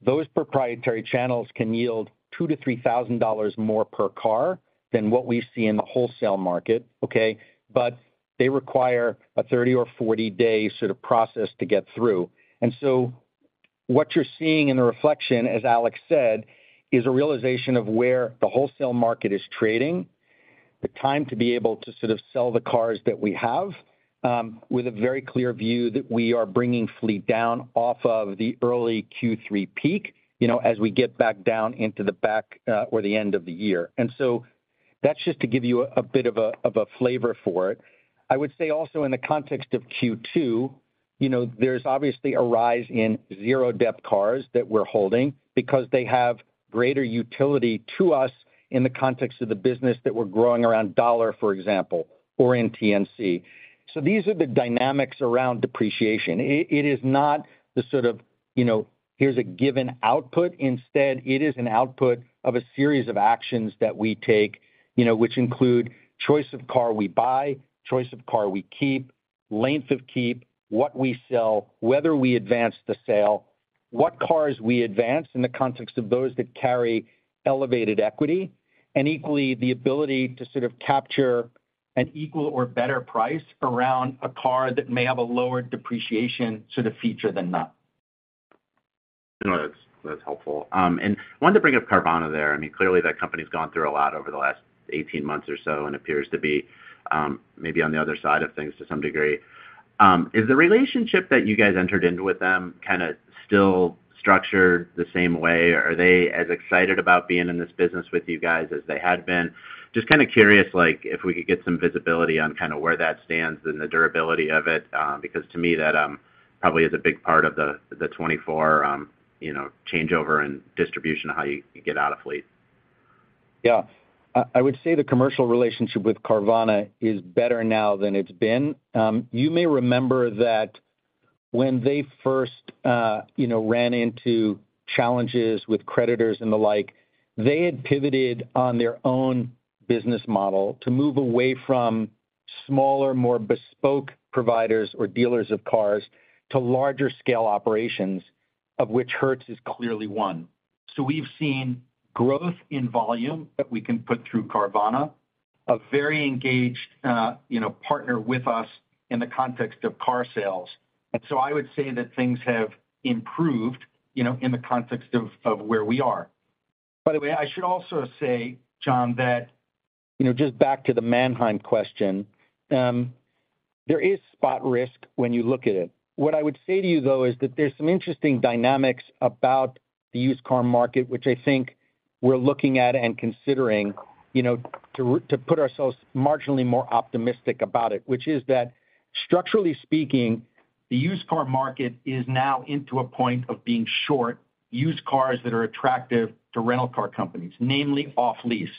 those proprietary channels can yield $2,000-$3,000 more per car than what we see in the wholesale market, okay? They require a 30 or 40-day sort of process to get through. What you're seeing in the reflection, as Alex said, is a realization of where the wholesale market is trading, the time to be able to sort of sell the cars that we have, with a very clear view that we are bringing fleet down off of the early Q3 peak, you know, as we get back down into the back, or the end of the year. That's just to give you a bit of a, of a flavor for it. I would say also in the context of Q2, you know, there's obviously a rise in zero-debt cars that we're holding because they have greater utility to us in the context of the business that we're growing around Dollar, for example, or in TNC. These are the dynamics around depreciation. It is not the sort of, you know, here's a given output. Instead, it is an output of a series of actions that we take, you know, which include choice of car we buy, choice of car we keep, length of keep, what we sell, whether we advance the sale, what cars we advance in the context of those that carry elevated equity, and equally, the ability to sort of capture an equal or better price around a car that may have a lower depreciation sort of feature than not. No, that's helpful. Wanted to bring up Carvana there. I mean, clearly, that company's gone through a lot over the last 18 months or so and appears to be maybe on the other side of things to some degree. Is the relationship that you guys entered into with them kind of still structured the same way? Are they as excited about being in this business with you guys as they had been? Just kind of curious, like, if we could get some visibility on kind of where that stands and the durability of it, because to me, that probably is a big part of the 2024, you know, changeover and distribution of how you get out of fleet. Yeah. I would say the commercial relationship with Carvana is better now than it's been. You may remember that when they first, you know, ran into challenges with creditors and the like, they had pivoted on their own business model to move away from smaller, more bespoke providers or dealers of cars to larger scale operations, of which Hertz is clearly one. We've seen growth in volume that we can put through Carvana, a very engaged, you know, partner with us in the context of car sales. I would say that things have improved, you know, in the context of, of where we are. By the way, I should also say, John, that, you know, just back to the Manheim question, there is spot risk when you look at it. What I would say to you, though, is that there's some interesting dynamics about the used car market, which I think we're looking at and considering, you know, to put ourselves marginally more optimistic about it, which is that structurally speaking, the used car market is now into a point of being short, used cars that are attractive to rental car companies, namely off lease.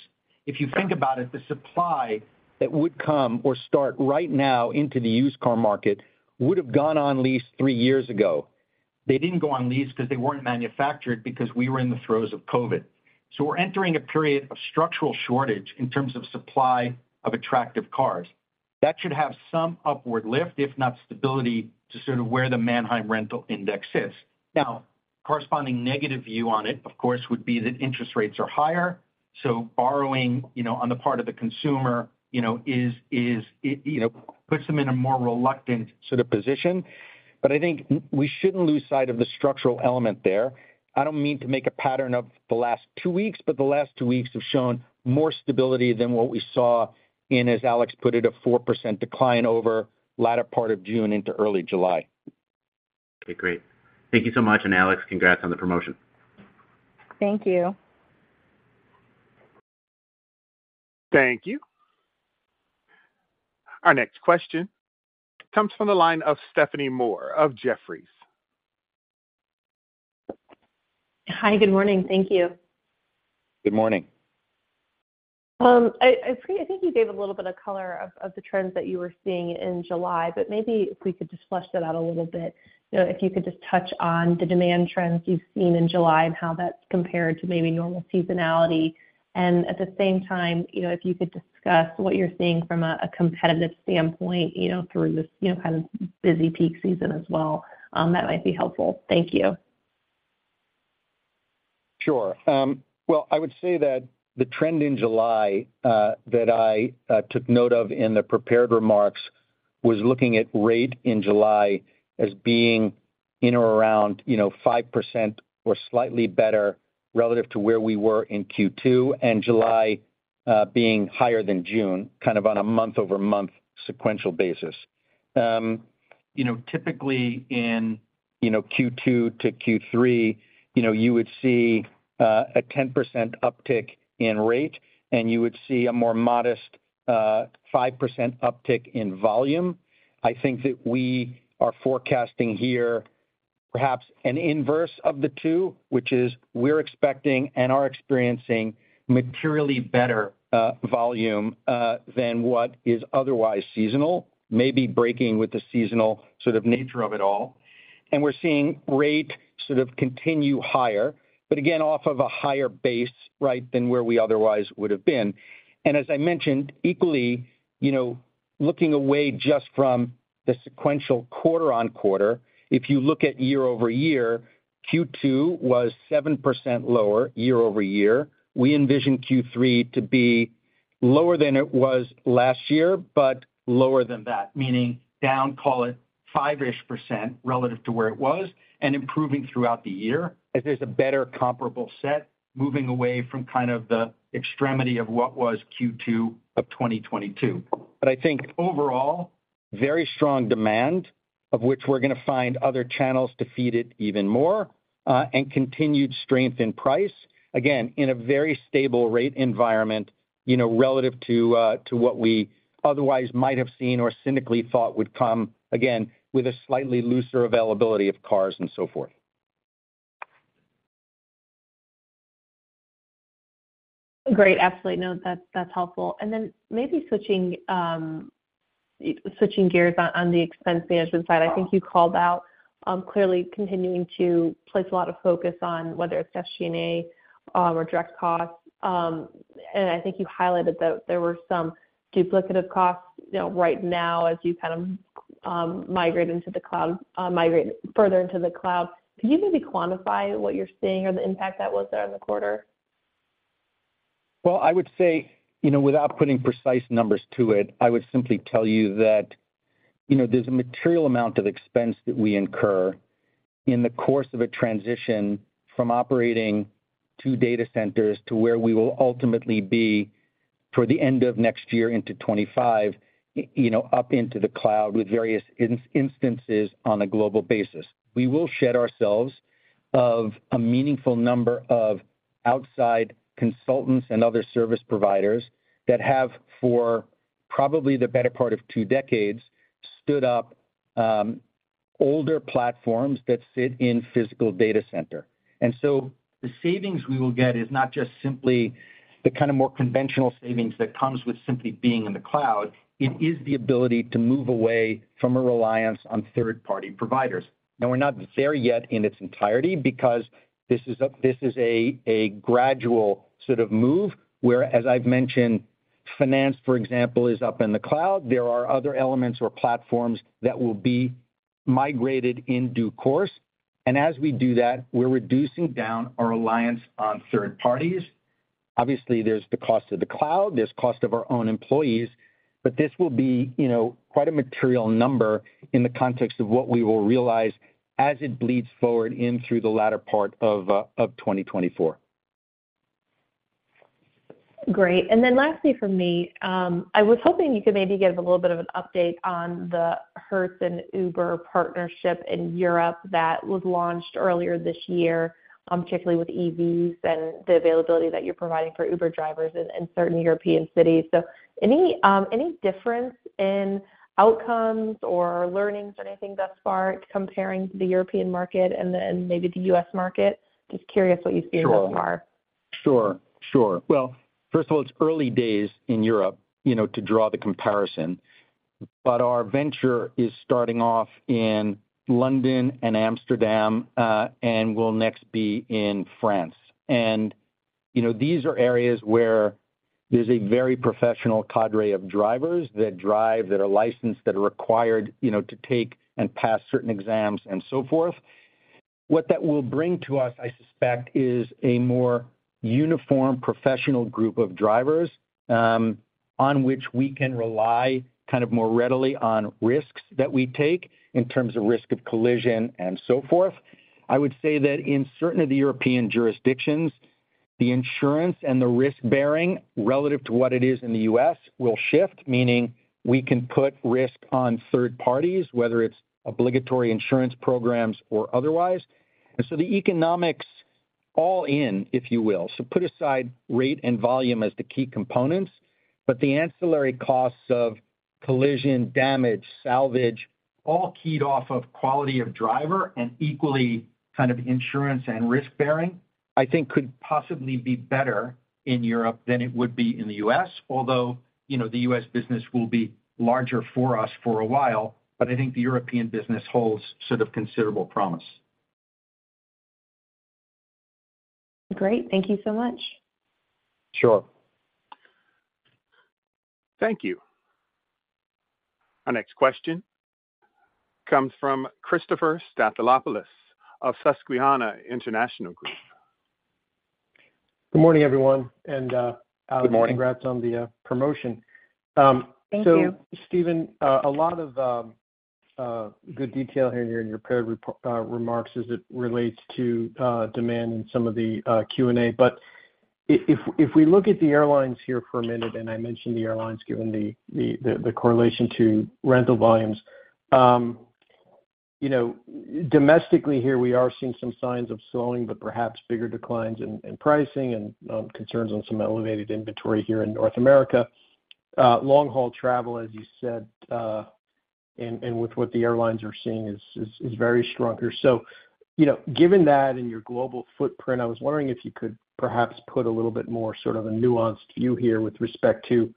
If you think about it, the supply that would come or start right now into the used car market would have gone on lease three years ago. They didn't go on lease because they weren't manufactured because we were in the throes of COVID. We're entering a period of structural shortage in terms of supply of attractive cars. That should have some upward lift, if not stability, to sort of where the Manheim rental index is. Corresponding negative view on it, of course, would be that interest rates are higher, so borrowing, you know, on the part of the consumer, you know, is, you know, puts them in a more reluctant sort of position. I think we shouldn't lose sight of the structural element there. I don't mean to make a pattern of the last two weeks, but the last two weeks have shown more stability than what we saw in, as Alex put it, a 4% decline over latter part of June into early July. Okay, great. Thank you so much, and Alex, congrats on the promotion. Thank you. Thank you. Our next question comes from the line of Stephanie Moore of Jefferies. Hi, good morning. Thank you. Good morning. I think you gave a little bit of color of the trends that you were seeing in July. Maybe if we could just flesh that out a little bit. You know, if you could just touch on the demand trends you've seen in July. How that's compared to maybe normal seasonality. At the same time, you know, if you could discuss what you're seeing from a competitive standpoint, you know, through this, you know, kind of busy peak season as well, that might be helpful. Thank you. Sure. well, I would say that the trend in July, that I took note of in the prepared remarks was looking at rate in July as being in or around, you know, 5% or slightly better relative to where we were in Q2, and July, being higher than June, kind of on a month-over-month sequential basis. you know, typically in, you know, Q2 to Q3, you know, you would see a 10% uptick in rate, and you would see a more modest, 5% uptick in volume. I think that we are forecasting here perhaps an inverse of the 2, which is we're expecting and are experiencing materially better, volume, than what is otherwise seasonal, maybe breaking with the seasonal sort of nature of it all. We're seeing rate sort of continue higher, but again, off of a higher base, right, than where we otherwise would have been. As I mentioned, equally, you know, looking away just from the sequential quarter-on-quarter, if you look at year-over-year, Q2 was 7% lower year-over-year. We envision Q3 to be lower than it was last year, but lower than that, meaning down, call it, 5%-ish relative to where it was and improving throughout the year as there's a better comparable set moving away from kind of the extremity of what was Q2 of 2022. I think overall, very strong demand, of which we're gonna find other channels to feed it even more, and continued strength in price, again, in a very stable rate environment, you know, relative to what we otherwise might have seen or cynically thought would come, again, with a slightly looser availability of cars and so forth. Great. Absolutely. No, that's helpful. Then maybe switching gears on the expense management side, I think you called out clearly continuing to place a lot of focus on whether it's SG&A or direct costs. I think you highlighted that there were some duplicative costs, you know, right now as you kind of migrate into the cloud, migrate further into the cloud. Can you maybe quantify what you're seeing or the impact that was there in the quarter? Well, I would say, you know, without putting precise numbers to it, I would simply tell you that, you know, there's a material amount of expense that we incur in the course of a transition from operating two data centers to where we will ultimately be for the end of next year into 2025, you know, up into the cloud with various instances on a global basis. We will shed ourselves of a meaningful number of outside consultants and other service providers that have, for probably the better part of two decades, stood up older platforms that sit in physical data center. The savings we will get is not just simply the kind of more conventional savings that comes with simply being in the cloud, it is the ability to move away from a reliance on third-party providers. We're not there yet in its entirety because this is a gradual sort of move, where, as I've mentioned, finance, for example, is up in the cloud. There are other elements or platforms that will be migrated in due course, and as we do that, we're reducing down our reliance on third parties. Obviously, there's the cost of the cloud, there's cost of our own employees, but this will be, you know, quite a material number in the context of what we will realize as it bleeds forward in through the latter part of 2024. Great. Lastly from me, I was hoping you could maybe give a little bit of an update on the Hertz and Uber partnership in Europe that was launched earlier this year, particularly with EVs and the availability that you're providing for Uber drivers in certain European cities. Any difference in outcomes or learnings or anything thus far comparing the European market and then maybe the U.S. market? Just curious what you've seen thus far. Sure, sure. Well, first of all, it's early days in Europe, you know, to draw the comparison. Our venture is starting off in London and Amsterdam and will next be in France. You know, these are areas where there's a very professional cadre of drivers that drive, that are licensed, that are required, you know, to take and pass certain exams and so forth. What that will bring to us, I suspect, is a more uniform professional group of drivers, on which we can rely kind of more readily on risks that we take in terms of risk of collision and so forth. I would say that in certain of the European jurisdictions, the insurance and the risk-bearing relative to what it is in the U.S. will shift, meaning we can put risk on third parties, whether it's obligatory insurance programs or otherwise. The economics all in, if you will. Put aside rate and volume as the key components, but the ancillary costs of collision, damage, salvage, all keyed off of quality of driver and equally kind of insurance and risk-bearing, I think could possibly be better in Europe than it would be in the U.S.. You know, the U.S. business will be larger for us for a while, but I think the European business holds sort of considerable promise. Great. Thank you so much. Sure. Thank you. Our next question comes from Christopher Stathoulopoulos of Susquehanna International Group. Good morning, everyone, and. Good morning. congrats on the promotion. Thank you. Stephen, a lot of good detail here in your prepared remarks as it relates to demand in some of the Q&A. If we look at the airlines here for a minute, and I mention the airlines given the correlation to rental volumes, you know, domestically here, we are seeing some signs of slowing, but perhaps bigger declines in pricing and concerns on some elevated inventory here in North America. Long-haul travel, as you said, and with what the airlines are seeing is very strong here. You know, given that in your global footprint, I was wondering if you could perhaps put a little bit more sort of a nuanced view here with respect to,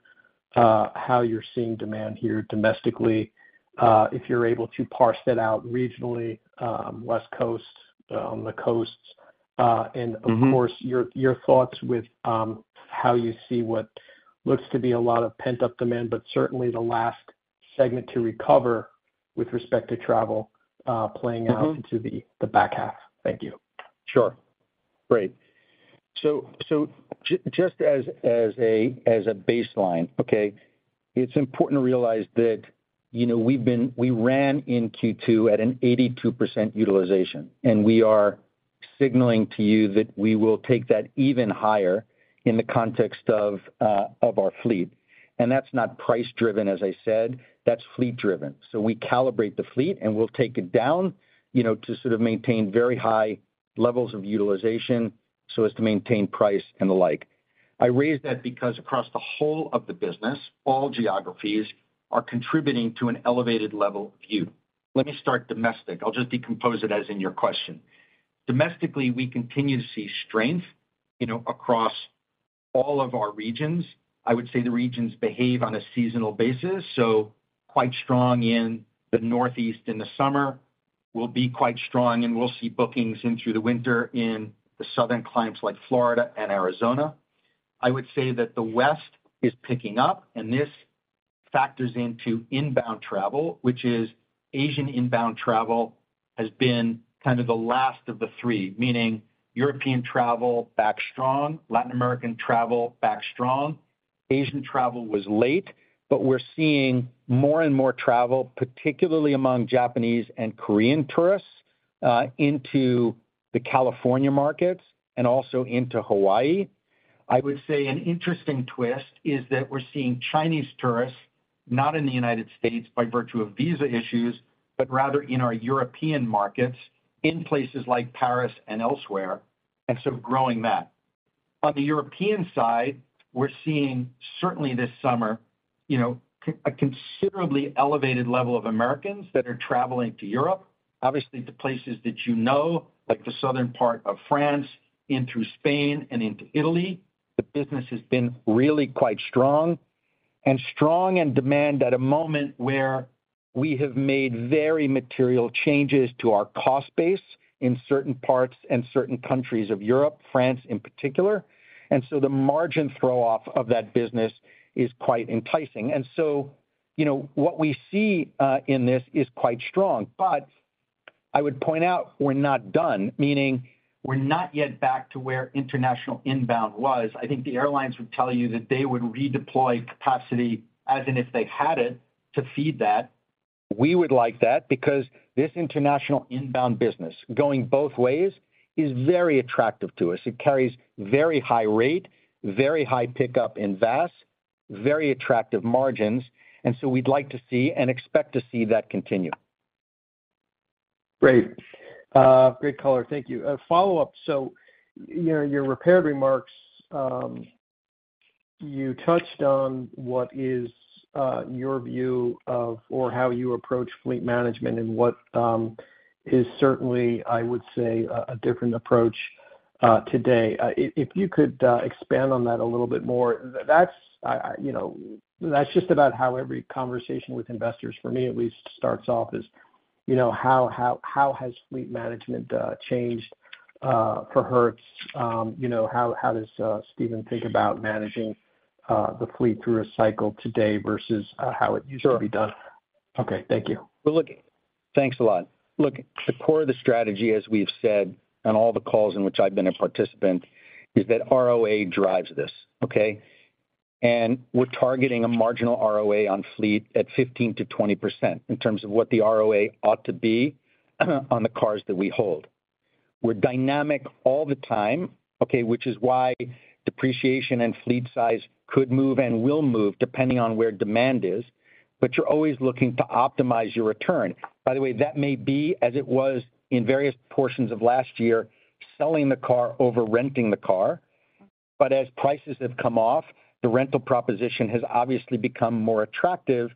how you're seeing demand here domestically, if you're able to parse that out regionally, West Coast, on the coasts? Mm-hmm. Of course, your thoughts with how you see what looks to be a lot of pent-up demand, but certainly the last segment to recover with respect to travel, playing out. Mm-hmm into the back half. Thank you. Sure. Great. Just as, as a, as a baseline, okay, it's important to realize that, you know, we ran in Q2 at an 82% utilization, and we are signaling to you that we will take that even higher in the context of our fleet. That's not price driven, as I said, that's fleet driven. We calibrate the fleet, and we'll take it down, you know, to sort of maintain very high levels of utilization so as to maintain price and the like. I raise that because across the whole of the business, all geographies are contributing to an elevated level view. Let me start domestic. I'll just decompose it as in your question. Domestically, we continue to see strength, you know, across all of our regions. I would say the regions behave on a seasonal basis, so quite strong in the Northeast in the summer, will be quite strong, and we'll see bookings in through the winter in the southern climes like Florida and Arizona. I would say that the West is picking up, and this factors into inbound travel, which is Asian inbound travel has been kind of the last of the three, meaning European travel, back strong, Latin American travel, back strong. Asian travel was late, but we're seeing more and more travel, particularly among Japanese and Korean tourists, into the California markets and also into Hawaii. I would say an interesting twist is that we're seeing Chinese tourists, not in the United States by virtue of visa issues, but rather in our European markets, in places like Paris and elsewhere, and so growing that. On the European side, we're seeing, certainly this summer, you know, a considerably elevated level of Americans that are traveling to Europe, obviously, to places that you know, like the southern part of France and through Spain and into Italy. The business has been really quite strong, and demand at a moment where we have made very material changes to our cost base in certain parts and certain countries of Europe, France in particular. The margin throw off of that business is quite enticing. You know, what we see in this is quite strong. I would point out, we're not done, meaning we're not yet back to where international inbound was. I think the airlines would tell you that they would redeploy capacity as in if they had it, to feed that. We would like that because this international inbound business, going both ways, is very attractive to us. It carries very high rate, very high pickup in VAS, very attractive margins. We'd like to see and expect to see that continue. Great. Great color. Thank you. A follow-up: You know, your prepared remarks, you touched on what is your view of or how you approach fleet management and what is certainly, I would say, a different approach today. If you could expand on that a little bit more. That's, you know, that's just about how every conversation with investors, for me at least, starts off, is, you know, how has fleet management changed for Hertz? You know, how does Stephen think about managing the fleet through a cycle today versus how it used to be done? Sure. Okay. Thank you. Thanks a lot. Look, the core of the strategy, as we've said, on all the calls in which I've been a participant, is that ROA drives this, okay. We're targeting a marginal ROA on fleet at 15%-20% in terms of what the ROA ought to be, on the cars that we hold. We're dynamic all the time, okay, which is why depreciation and fleet size could move and will move, depending on where demand is, but you're always looking to optimize your return. By the way, that may be, as it was in various portions of last year, selling the car over renting the car. As prices have come off, the rental proposition has obviously become more attractive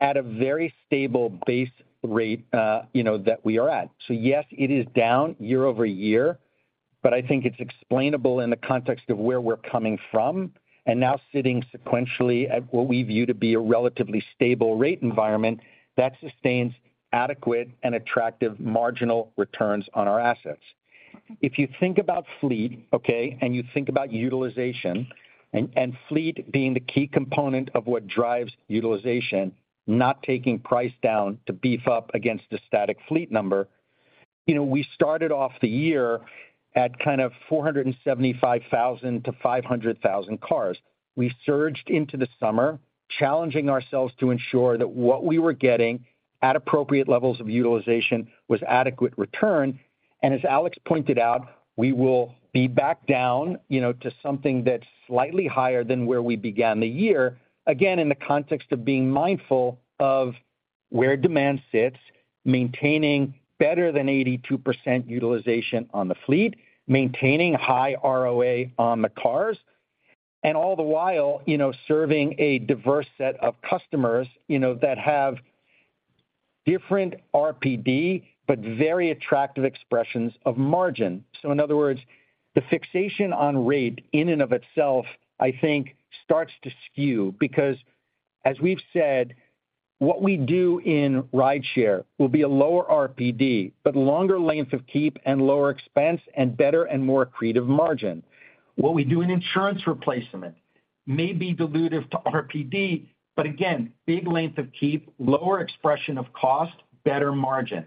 at a very stable base rate, you know, that we are at. Yes, it is down year-over-year. I think it's explainable in the context of where we're coming from, and now sitting sequentially at what we view to be a relatively stable rate environment that sustains adequate and attractive marginal returns on our assets. If you think about fleet, okay, and you think about utilization, and fleet being the key component of what drives utilization, not taking price down to beef up against a static fleet number. You know, we started off the year at kind of 475,000 to 500,000 cars. We surged into the summer, challenging ourselves to ensure that what we were getting at appropriate levels of utilization was adequate return. As Alex pointed out, we will be back down, you know, to something that's slightly higher than where we began the year, again, in the context of being mindful of where demand sits, maintaining better than 82% utilization on the fleet, maintaining high ROA on the cars, and all the while, you know, serving a diverse set of customers, you know, that have different RPD, but very attractive expressions of margin. In other words, the fixation on rate in and of itself, I think, starts to skew, because as we've said, what we do in Rideshare will be a lower RPD, but longer length of keep and lower expense and better and more accretive margin. What we do in insurance replacement may be dilutive to RPD, but again, big length of keep, lower expression of cost, better margin.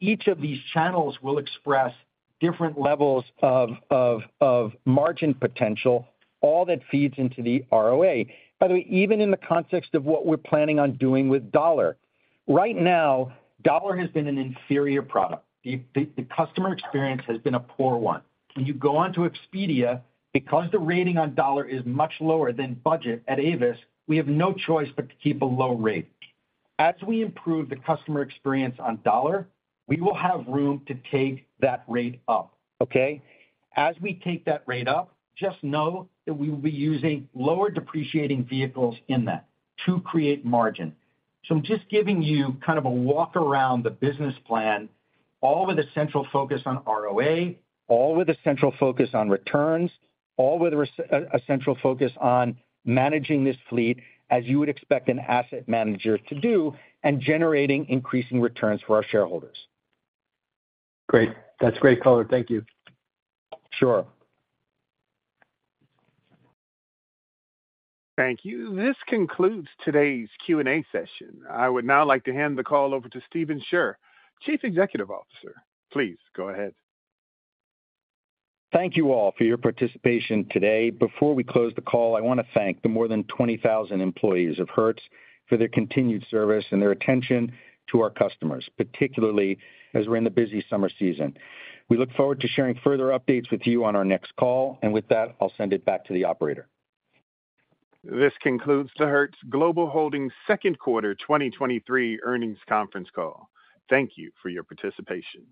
Each of these channels will express different levels of margin potential, all that feeds into the ROA. By the way, even in the context of what we're planning on doing with Dollar. Right now, Dollar has been an inferior product. The customer experience has been a poor one. When you go onto Expedia, because the rating on Dollar is much lower than Budget at Avis, we have no choice but to keep a low rate. As we improve the customer experience on Dollar, we will have room to take that rate up, okay? As we take that rate up, just know that we will be using lower depreciating vehicles in that to create margin. I'm just giving you kind of a walk around the business plan, all with a central focus on ROA, all with a central focus on returns, all with a central focus on managing this fleet as you would expect an asset manager to do, and generating increasing returns for our shareholders. Great. That's great color. Thank you. Sure. Thank you. This concludes today's Q&A session. I would now like to hand the call over to Stephen Scherr, Chief Executive Officer. Please, go ahead. Thank you all for your participation today. Before we close the call, I want to thank the more than 20,000 employees of Hertz for their continued service and their attention to our customers, particularly as we're in the busy summer season. We look forward to sharing further updates with you on our next call. With that, I'll send it back to the operator. This concludes the Hertz Global Holdings second quarter 2023 earnings conference call. Thank you for your participation.